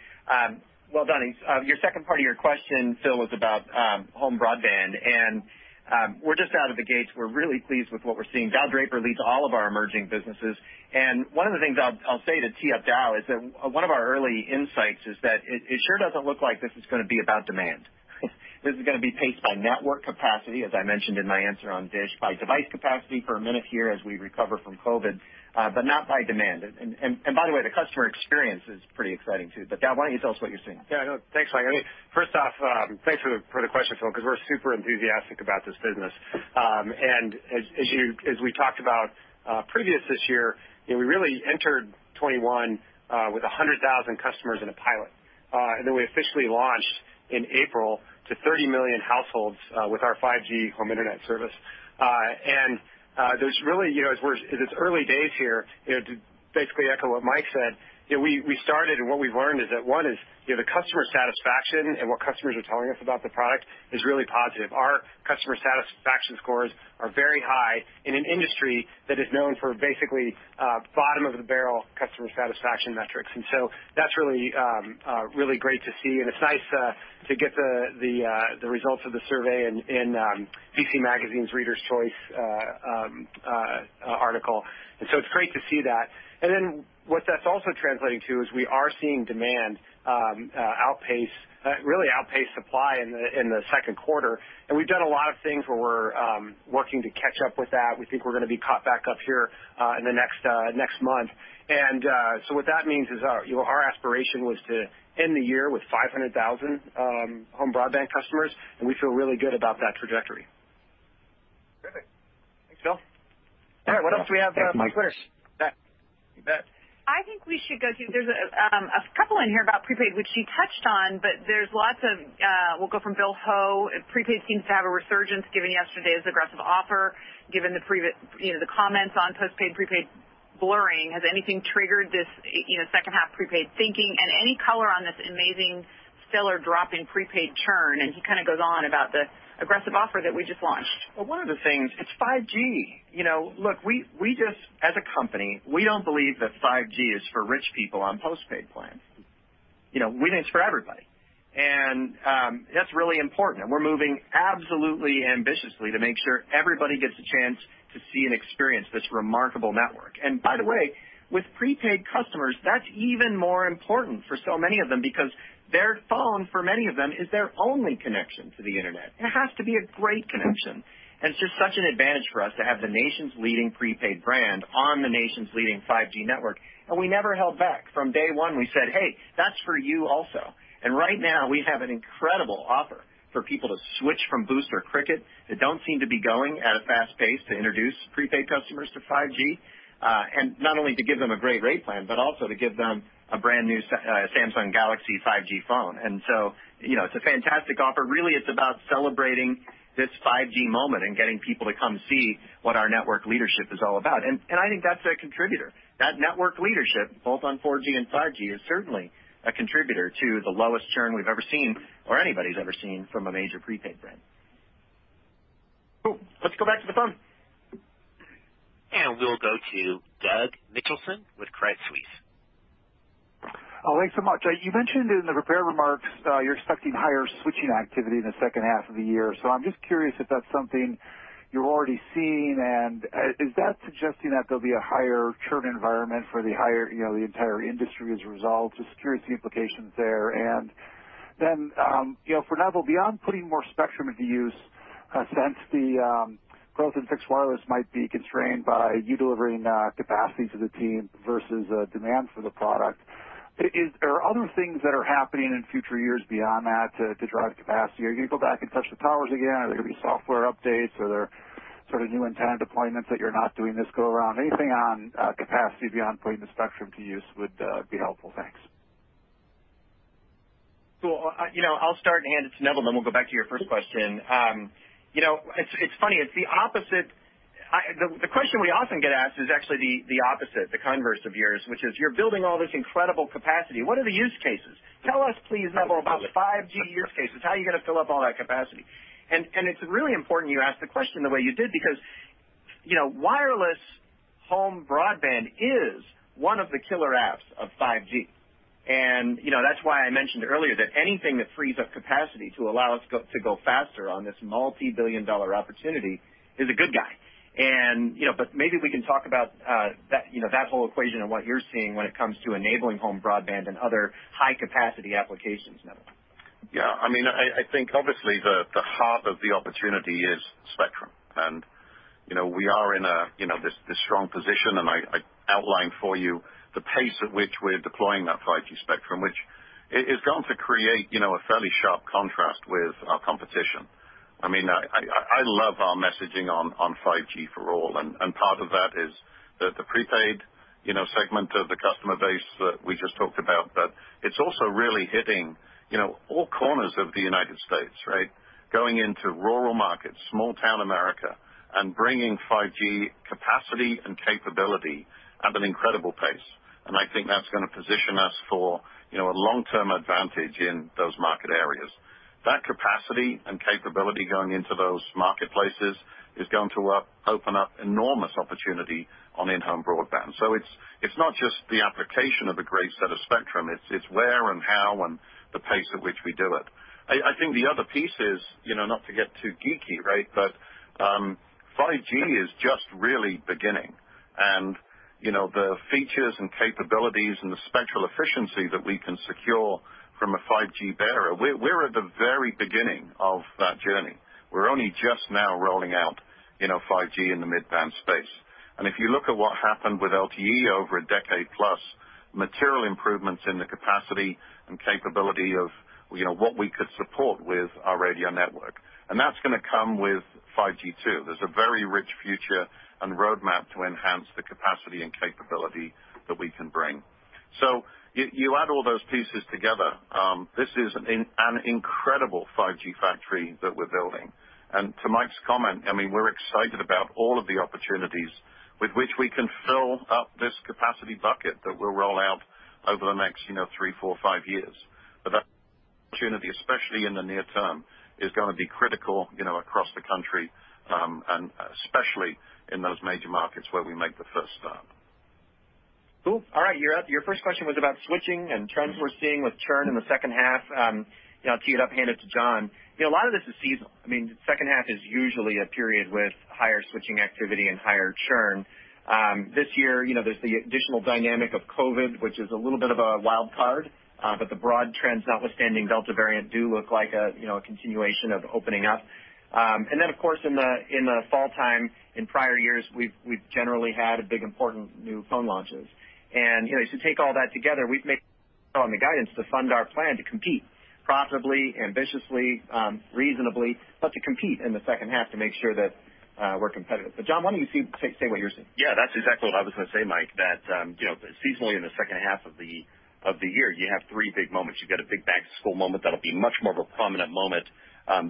Well done. Your second part of your question, Phil, was about home broadband and we're just out of the gates. We're really pleased with what we're seeing. Dow Draper leads all of our emerging businesses, and one of the things I'll say to tee up Dow is that one of our early insights is that it sure doesn't look like this is going to be about demand. This is going to be paced by network capacity, as I mentioned in my answer on Dish, by device capacity for a minute here as we recover from COVID, but not by demand. By the way, the customer experience is pretty exciting, too. Dow, why don't you tell us what you're seeing? Yeah, thanks, Mike. First off, thanks for the question, Phil. We're super enthusiastic about this business. As we talked about previous this year, we really entered 2021 with 100,000 customers in a pilot. We officially launched in April to 30 million households with our 5G Home Internet service. It's early days here. To basically echo what Mike said, we started, and what we've learned is that one is, the customer satisfaction and what customers are telling us about the product is really positive. Our customer satisfaction scores are very high in an industry that is known for basically bottom-of-the-barrel customer satisfaction metrics. That's really great to see, and it's nice to get the results of the survey in PC Magazine's Reader's Choice article. It's great to see that. What that's also translating to is we are seeing demand really outpace supply in the second quarter, and we've done a lot of things where we're working to catch up with that. We think we're going to be caught back up here in the next month. What that means is, our aspiration was to end the year with 500,000 home broadband customers, and we feel really good about that trajectory. Perfect. Thanks, Phil. All right, what else do we have from Twitter? Thanks, Mike. You bet. There's a couple in here about prepaid, which you touched on. We'll go from William Ho. Prepaid seems to have a resurgence given yesterday's aggressive offer, given the comments on postpaid, prepaid blurring. Has anything triggered this second half prepaid thinking? Any color on this amazing stellar drop in prepaid churn. He kind of goes on about the aggressive offer that we just launched. Well, one of the things, it's 5G. Look, as a company, we don't believe that 5G is for rich people on postpaid plans. We think it's for everybody. That's really important, and we're moving absolutely ambitiously to make sure everybody gets a chance to see and experience this remarkable network. By the way, with prepaid customers, that's even more important for so many of them because their phone, for many of them, is their only connection to the internet. It has to be a great connection. It's just such an advantage for us to have the nation's leading prepaid brand on the nation's leading 5G network, and we never held back. From day one, we said, "Hey, that's for you also." Right now, we have an incredible offer for people to switch from Boost or Cricket, that don't seem to be going at a fast pace to introduce prepaid customers to 5G. Not only to give them a great rate plan, but also to give them a brand new Samsung Galaxy 5G phone. It's a fantastic offer. Really, it's about celebrating this 5G moment and getting people to come see what our network leadership is all about. I think that's a contributor. That network leadership, both on 4G and 5G, is certainly a contributor to the lowest churn we've ever seen, or anybody's ever seen from a major prepaid brand. Cool. Let's go back to the phone. We'll go to Douglas Mitchelson with Credit Suisse. Thanks so much. You mentioned in the prepared remarks you're expecting higher switching activity in the second half of the year. I'm just curious if that's something you're already seeing, and is that suggesting that there'll be a higher churn environment for the entire industry as a result? Just curious the implications there. For Neville, beyond putting more spectrum into use, since the growth in fixed wireless might be constrained by you delivering capacity to the team versus demand for the product, are other things that are happening in future years beyond that to drive capacity? Are you going to go back and touch the towers again? Are there going to be software updates? Are there sort of new antenna deployments that you're not doing this go around? Anything on capacity beyond putting the spectrum to use would be helpful. Thanks. I'll start and hand it to Neville, then we'll go back to your first question. It's funny, the question we often get asked is actually the opposite, the converse of yours, which is, you're building all this incredible capacity. What are the use cases? Tell us, please, Neville, about 5G use cases. How are you going to fill up all that capacity? It's really important you ask the question the way you did, because wireless home broadband is one of the killer apps of 5G. That's why I mentioned earlier that anything that frees up capacity to allow us to go faster on this multi-billion-dollar opportunity is a good guy. Maybe we can talk about that whole equation and what you're seeing when it comes to enabling home broadband and other high-capacity applications, Neville. Yeah. I think obviously the heart of the opportunity is spectrum. We are in this strong position, and I outlined for you the pace at which we're deploying that 5G spectrum, which is going to create a fairly sharp contrast with our competition. I love our messaging on 5G for all, and part of that is that the prepaid segment of the customer base that we just talked about, but it's also really hitting all corners of the United States. Going into rural markets, small town America, and bringing 5G capacity and capability at an incredible pace. I think that's going to position us for a long-term advantage in those market areas. That capacity and capability going into those marketplaces is going to open up enormous opportunity on in-home broadband. It's not just the application of a great set of spectrum, it's where and how and the pace at which we do it. I think the other piece is, not to get too geeky, but 5G is just really beginning. The features and capabilities and the spectral efficiency that we can secure from a 5G bearer, we're at the very beginning of that journey. We're only just now rolling out 5G in the mid-band space. If you look at what happened with LTE over a decade plus, material improvements in the capacity and capability of what we could support with our radio network. That's going to come with 5G too. There's a very rich future and roadmap to enhance the capacity and capability that we can bring. You add all those pieces together, this is an incredible 5G factory that we're building. To Mike's comment, we're excited about all of the opportunities with which we can fill up this capacity bucket that we'll roll out over the next three, four, five years. That opportunity, especially in the near term, is going to be critical across the country, and especially in those major markets where we make the first stop. Cool. All right, you're up. Your first question was about switching and trends we're seeing with churn in the second half. I'll tee it up, hand it to Jon. A lot of this is seasonal. Second half is usually a period with higher switching activity and higher churn. This year, there's the additional dynamic of COVID, which is a little bit of a wild card. The broad trends notwithstanding Delta variant do look like a continuation of opening up. Then, of course, in the fall time in prior years, we've generally had big, important new phone launches. If you take all that together, we've made on the guidance to fund our plan to compete profitably, ambitiously, reasonably, but to compete in the second half to make sure that we're competitive. Jon, why don't you say what you're seeing? That's exactly what I was going to say, Mike, that seasonally in the second half of the year, you have three big moments. You got a big back-to-school moment that'll be much more of a prominent moment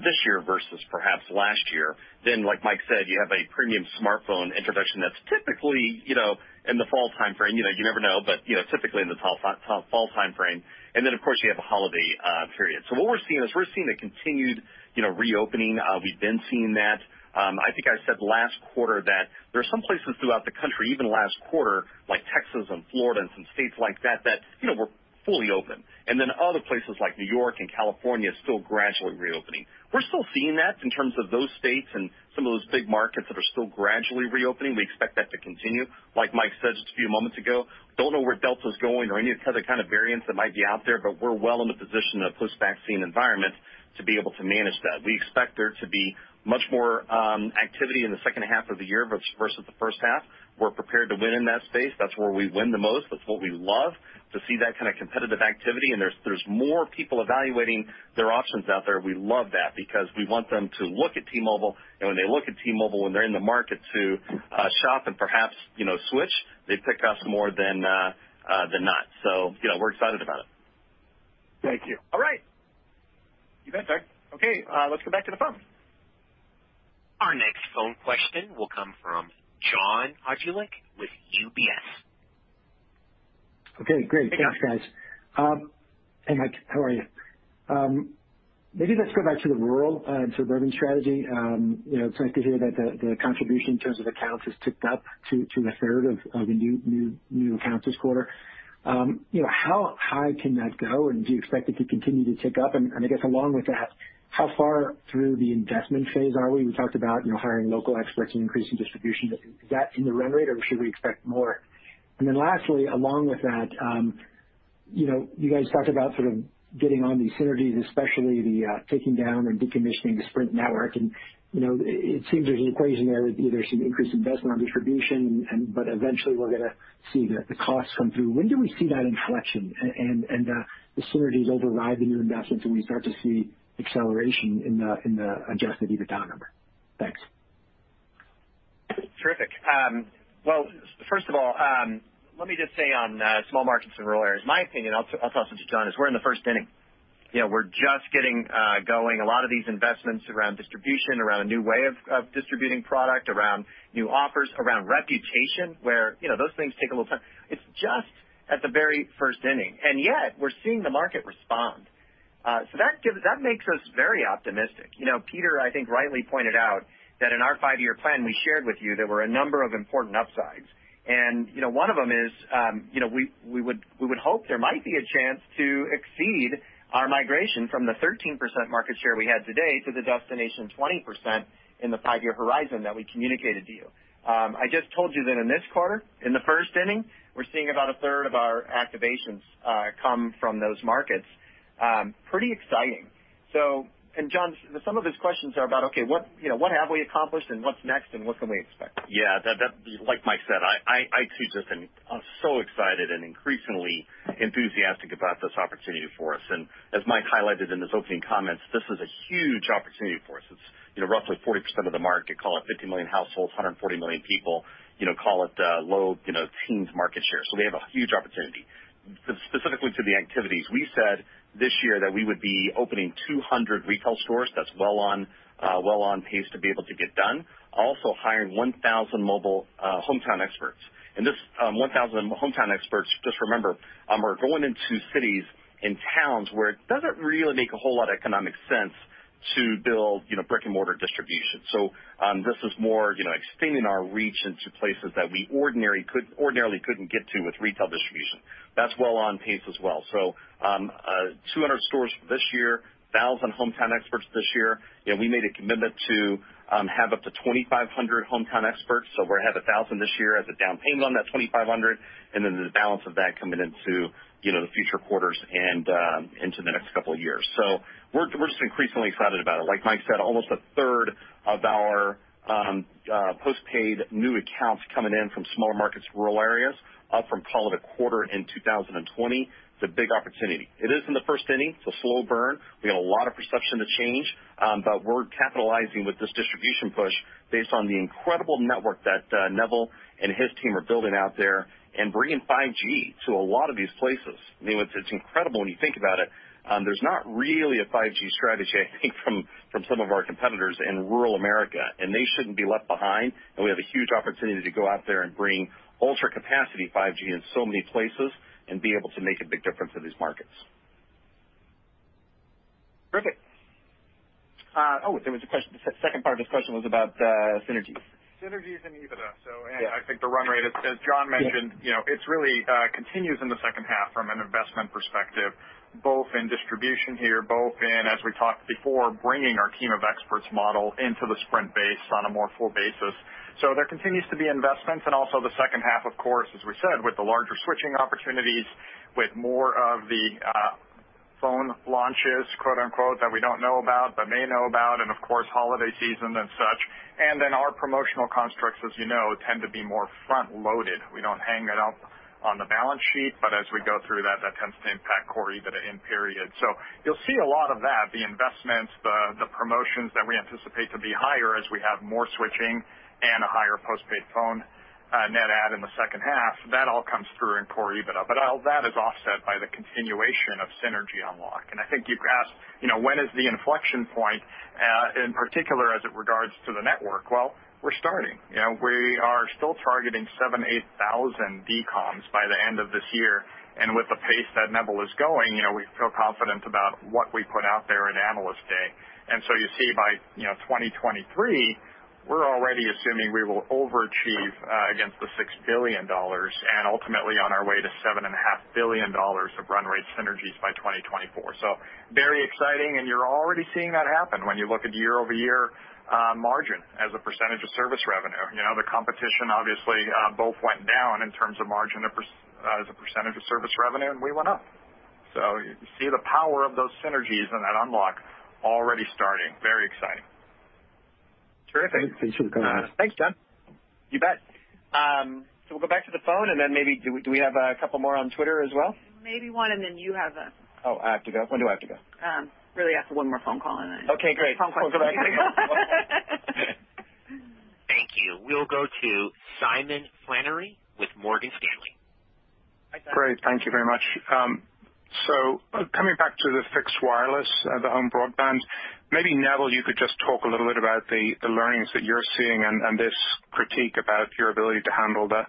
this year versus perhaps last year. Like Mike said, you have a premium smartphone introduction that's typically in the fall timeframe. You never know, typically in the fall timeframe. Of course, you have a holiday period. What we're seeing is we're seeing a continued reopening. We've been seeing that. I think I said last quarter that there are some places throughout the country, even last quarter, like Texas and Florida and some states like that were fully open. Other places like New York and California are still gradually reopening. We're still seeing that in terms of those states and some of those big markets that are still gradually reopening. We expect that to continue. Like Mike said just a few moments ago, we don't know where Delta is going or any other kind of variants that might be out there, but we're well in the position in a post-vaccine environment to be able to manage that. We expect there to be much more activity in the second half of the year versus the first half. We're prepared to win in that space. That's where we win the most. That's what we love to see that kind of competitive activity. There's more people evaluating their options out there. We love that because we want them to look at T-Mobile, and when they look at T-Mobile, when they're in the market to shop and perhaps switch, they pick us more than not. We're excited about it. Thank you. All right. You bet. Okay, let's go back to the phones. Our next phone question will come from John Hodulik with UBS. Okay, great. Thanks, guys. Hey, Mike, how are you? Maybe let's go back to the rural and suburban strategy. It's nice to hear that the contribution in terms of accounts has ticked up to a third of the new accounts this quarter. How high can that go? Do you expect it to continue to tick up? I guess along with that, how far through the investment phase are we? We talked about hiring Hometown Experts and increasing distribution. Is that in the run rate? Should we expect more? Lastly, along with that, you guys talked about sort of getting on these synergies, especially the taking down and decommissioning the Sprint network, and it seems there's an equation there with either some increased investment on distribution, but eventually we're going to see the costs come through. When do we see that inflection and the synergies override the new investments, and we start to see acceleration in the adjusted EBITDA number? Thanks. Terrific. Well, first of all, let me just say on small markets and rural areas, my opinion, I'll toss it to Jon, is we're in the first inning. We're just getting going. A lot of these investments around distribution, around a new way of distributing product, around new offers, around reputation, where those things take a little time. Yet we're seeing the market respond. That makes us very optimistic. Peter, I think rightly pointed out that in our five-year plan we shared with you, there were a number of important upsides. One of them is we would hope there might be a chance to exceed our migration from the 13% market share we had today to the destination 20% in the five-year horizon that we communicated to you. I just told you that in this quarter, in the first inning, we're seeing about a third of our activations come from those markets. Pretty exciting. Jon, some of his questions are about, okay, what have we accomplished and what's next and what can we expect? Like Mike said, I too just am so excited and increasingly enthusiastic about this opportunity for us. As Mike highlighted in his opening comments, this is a huge opportunity for us. It's roughly 40% of the market, call it 50 million households, 140 million people, call it low teens market share. We have a huge opportunity. Specifically to the activities, we said this year that we would be opening 200 retail stores. That's well on pace to be able to get done. Also hiring 1,000 mobile Hometown Experts. This 1,000 Hometown Experts, just remember, are going into cities and towns where it doesn't really make a whole lot of economic sense to build brick and mortar distribution. This is more extending our reach into places that we ordinarily couldn't get to with retail distribution. That's well on pace as well. 200 stores this year, 1,000 Hometown Experts this year. We made a commitment to have up to 2,500 Hometown Experts. We're going to have 1,000 this year as a down payment on that 2,500, and then the balance of that coming into the future quarters and into the next couple of years. We're just increasingly excited about it. Like Mike said, almost a third of our postpaid new accounts coming in from smaller markets, rural areas, up from call it a quarter in 2020. It's a big opportunity. It is in the first inning. It's a slow burn. We got a lot of perception to change, but we're capitalizing with this distribution push based on the incredible network that Neville and his team are building out there and bringing 5G to a lot of these places. It's incredible when you think about it. There's not really a 5G strategy, I think from some of our competitors in rural America, and they shouldn't be left behind. We have a huge opportunity to go out there and bring ultra-capacity 5G in so many places and be able to make a big difference in these markets. Terrific. Oh, there was a question. The second part of his question was about synergies. Synergies and EBITDA. I think the run rate is, as Jon mentioned, it really continues in the second half from an investment perspective, both in distribution here, both in, as we talked before, bringing our Team of Experts model into the Sprint base on a more full basis. There continues to be investments and also the second half, of course, as we said, with the larger switching opportunities, with more of the phone launches, quote unquote, that we don't know about but may know about, and of course, holiday season and such. Our promotional constructs, as you know, tend to be more front-loaded. We don't hang it up on the balance sheet, but as we go through that tends to impact core EBITDA in period. You'll see a lot of that, the investments, the promotions that we anticipate to be higher as we have more switching and a higher postpaid phone net add in the second half. That all comes through in core EBITDA, all that is offset by the continuation of synergy unlock. I think you've asked, when is the inflection point, in particular as it regards to the network? Well, we're starting. We are still targeting 7,000-8,000 decommissions by the end of this year. With the pace that Neville is going, we feel confident about what we put out there at Analyst Day. You see by 2023, we're already assuming we will overachieve against the $6 billion and ultimately on our way to $7.5 billion of run rate synergies by 2024. Very exciting, and you're already seeing that happen when you look at year-over-year margin as a percentage of service revenue. The competition obviously both went down in terms of margin as a percentage of service revenue, and we went up. You see the power of those synergies and that unlock already starting. Very exciting. Terrific. Thanks for the color. Thanks, John. You bet. We'll go back to the phone and then maybe do we have a couple more on Twitter as well? Maybe one, and then you have to go. Oh, I have to go. When do I have to go? Really after one more phone call. Okay, great. phone conference is going to go. We'll go back to the phone. Thank you. We'll go to Simon Flannery with Morgan Stanley. Great. Thank you very much. Coming back to the fixed wireless, the home broadband, maybe Neville, you could just talk a little bit about the learnings that you're seeing and this critique about your ability to handle the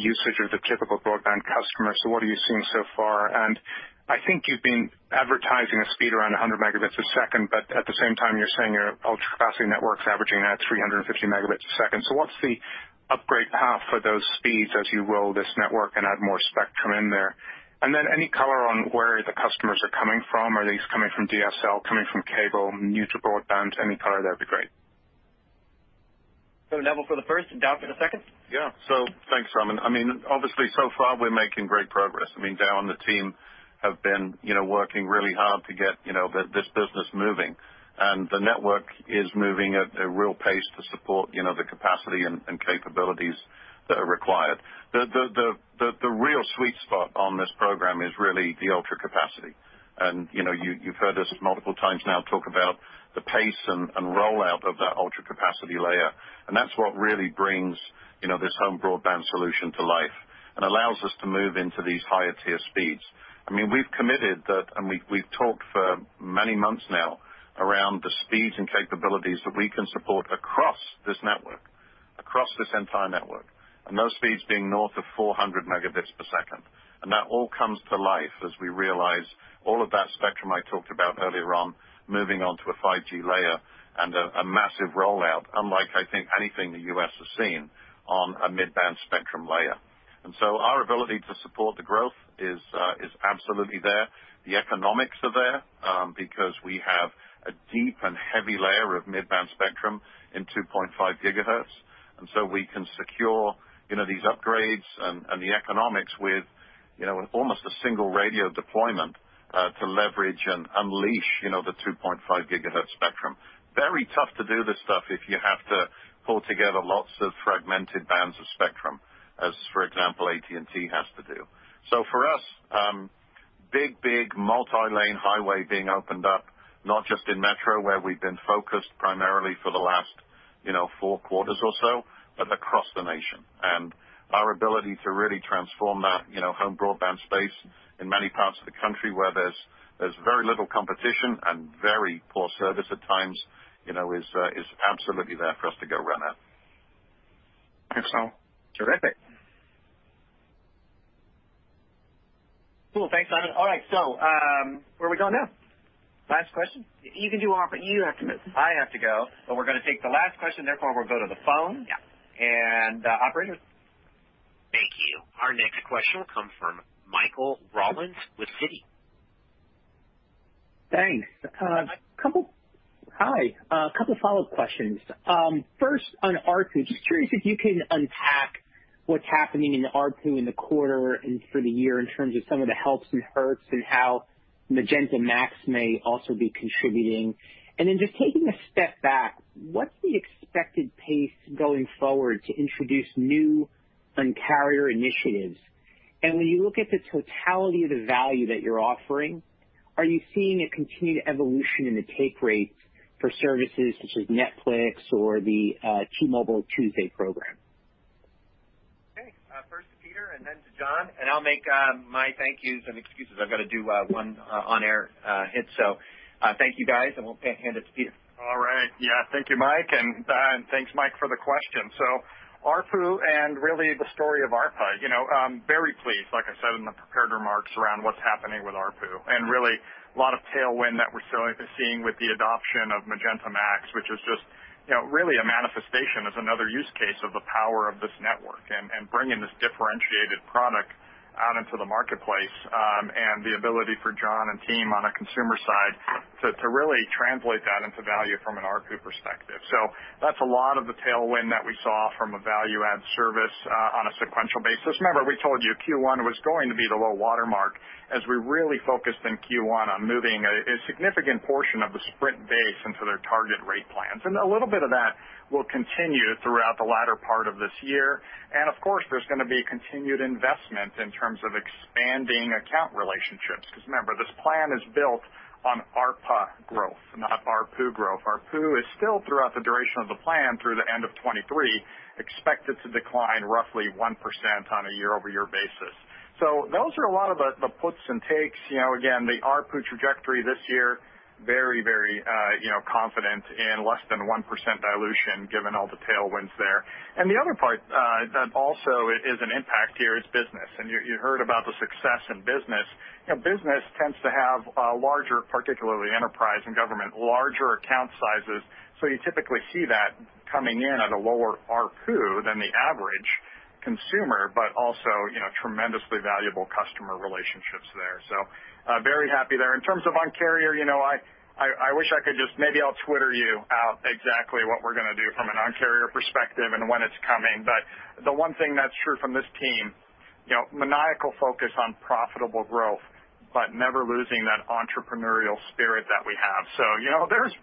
usage of the typical broadband customer. What are you seeing so far? I think you've been advertising a speed around 100 megabits a second, but at the same time, you're saying your ultra-capacity network's averaging at 350 Mbps. What's the upgrade path for those speeds as you roll this network and add more spectrum in there? Any color on where the customers are coming from? Are these coming from DSL, coming from cable, new to broadband? Any color there would be great. Neville for the first and Dow for the second. Yeah. Thanks, Simon. Obviously, so far, we're making great progress. Dow and the team have been working really hard to get this business moving, and the network is moving at a real pace to support the capacity and capabilities that are required. The real sweet spot on this program is really the ultra-capacity. You've heard us multiple times now talk about the pace and rollout of that ultra-capacity layer, and that's what really brings this home broadband solution to life and allows us to move into these higher tier speeds. We've committed that and we've talked for many months now around the speeds and capabilities that we can support across this network, across this entire network, and those speeds being north of 400 Mbps. That all comes to life as we realize all of that spectrum I talked about earlier on moving onto a 5G layer and a massive rollout, unlike, I think, anything the U.S. has seen on a mid-band spectrum layer. Our ability to support the growth is absolutely there. The economics are there because we have a deep and heavy layer of mid-band spectrum in 2.5 GHz, and so we can secure these upgrades and the economics with almost a single radio deployment. To leverage and unleash the 2.5 GHz spectrum. Very tough to do this stuff if you have to pull together lots of fragmented bands of spectrum, as, for example, AT&T has to do. For us, big multi-lane highway being opened up, not just in Metro, where we've been focused primarily for the last four quarters or so, but across the nation. Our ability to really transform that home broadband space in many parts of the country where there's very little competition and very poor service at times, is absolutely there for us to go run at. Terrific. Cool. Thanks, Simon. All right, where are we going now? Last question. You can do offer. You have to go. I have to go, but we're going to take the last question, therefore we'll go to the phone. Yeah. Operator. Thank you. Our next question will come from Michael Rollins with Citi. Thanks. Hi. A couple follow-up questions. First, on ARPU, just curious if you can unpack what's happening in ARPU in the quarter and for the year in terms of some of the helps and hurts and how Magenta MAX may also be contributing. Then just taking a step back, what's the expected pace going forward to introduce new Un-carrier initiatives? When you look at the totality of the value that you're offering, are you seeing a continued evolution in the take rates for services such as Netflix or the T-Mobile Tuesdays program? Okay. First to Peter and then to Jon, and I'll make my thank yous and excuses. I've got to do one on-air hit. Thank you guys, and we'll hand it to Peter. All right. Yeah, thank you, Mike, and thanks, Mike, for the question. ARPU and really the story of ARPA. Very pleased, like I said in the prepared remarks, around what's happening with ARPU, and really a lot of tailwind that we're seeing with the adoption of Magenta MAX, which is just really a manifestation as another use case of the power of this network, and bringing this differentiated product out into the marketplace, and the ability for Jon and team on a consumer side to really translate that into value from an ARPU perspective. That's a lot of the tailwind that we saw from a value-add service on a sequential basis. Remember, we told you Q1 was going to be the low watermark as we really focused in Q1 on moving a significant portion of the Sprint base into their target rate plans. A little bit of that will continue throughout the latter part of this year. Of course, there's going to be continued investment in terms of expanding account relationships. Remember, this plan is built on ARPA growth, not ARPU growth. ARPU is still, throughout the duration of the plan, through the end of 2023, expected to decline roughly 1% on a year-over-year basis. Those are a lot of the puts and takes. Again, the ARPU trajectory this year, very confident in less than 1% dilution given all the tailwinds there. The other part that also is an impact here is business. You heard about the success in business. Business tends to have larger, particularly enterprise and government, larger account sizes. You typically see that coming in at a lower ARPU than the average consumer, but also tremendously valuable customer relationships there. Very happy there. In terms of Un-carrier, I wish I could just maybe I'll Twitter you out exactly what we're going to do from an Un-carrier perspective and when it's coming. The one thing that's true from this team, maniacal focus on profitable growth, but never losing that entrepreneurial spirit that we have.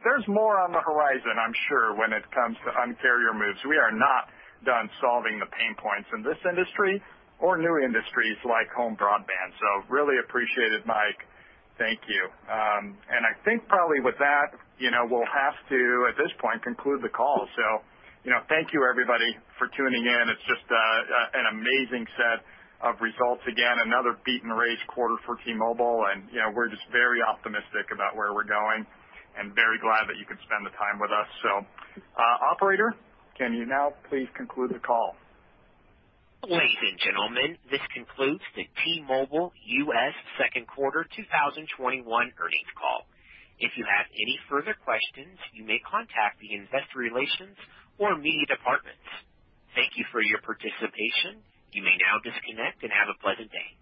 There's more on the horizon, I'm sure, when it comes to Un-carrier moves. We are not done solving the pain points in this industry or new industries like home broadband. Really appreciate it, Mike. Thank you. I think probably with that, we'll have to, at this point, conclude the call. Thank you everybody for tuning in. It's just an amazing set of results again, another beat and raise quarter for T-Mobile, and we're just very optimistic about where we're going and very glad that you could spend the time with us. Operator, can you now please conclude the call? Ladies and gentlemen, this concludes the T-Mobile US second quarter 2021 earnings call. If you have any further questions, you may contact the investor relations or media departments. Thank you for your participation. You may now disconnect and have a pleasant day.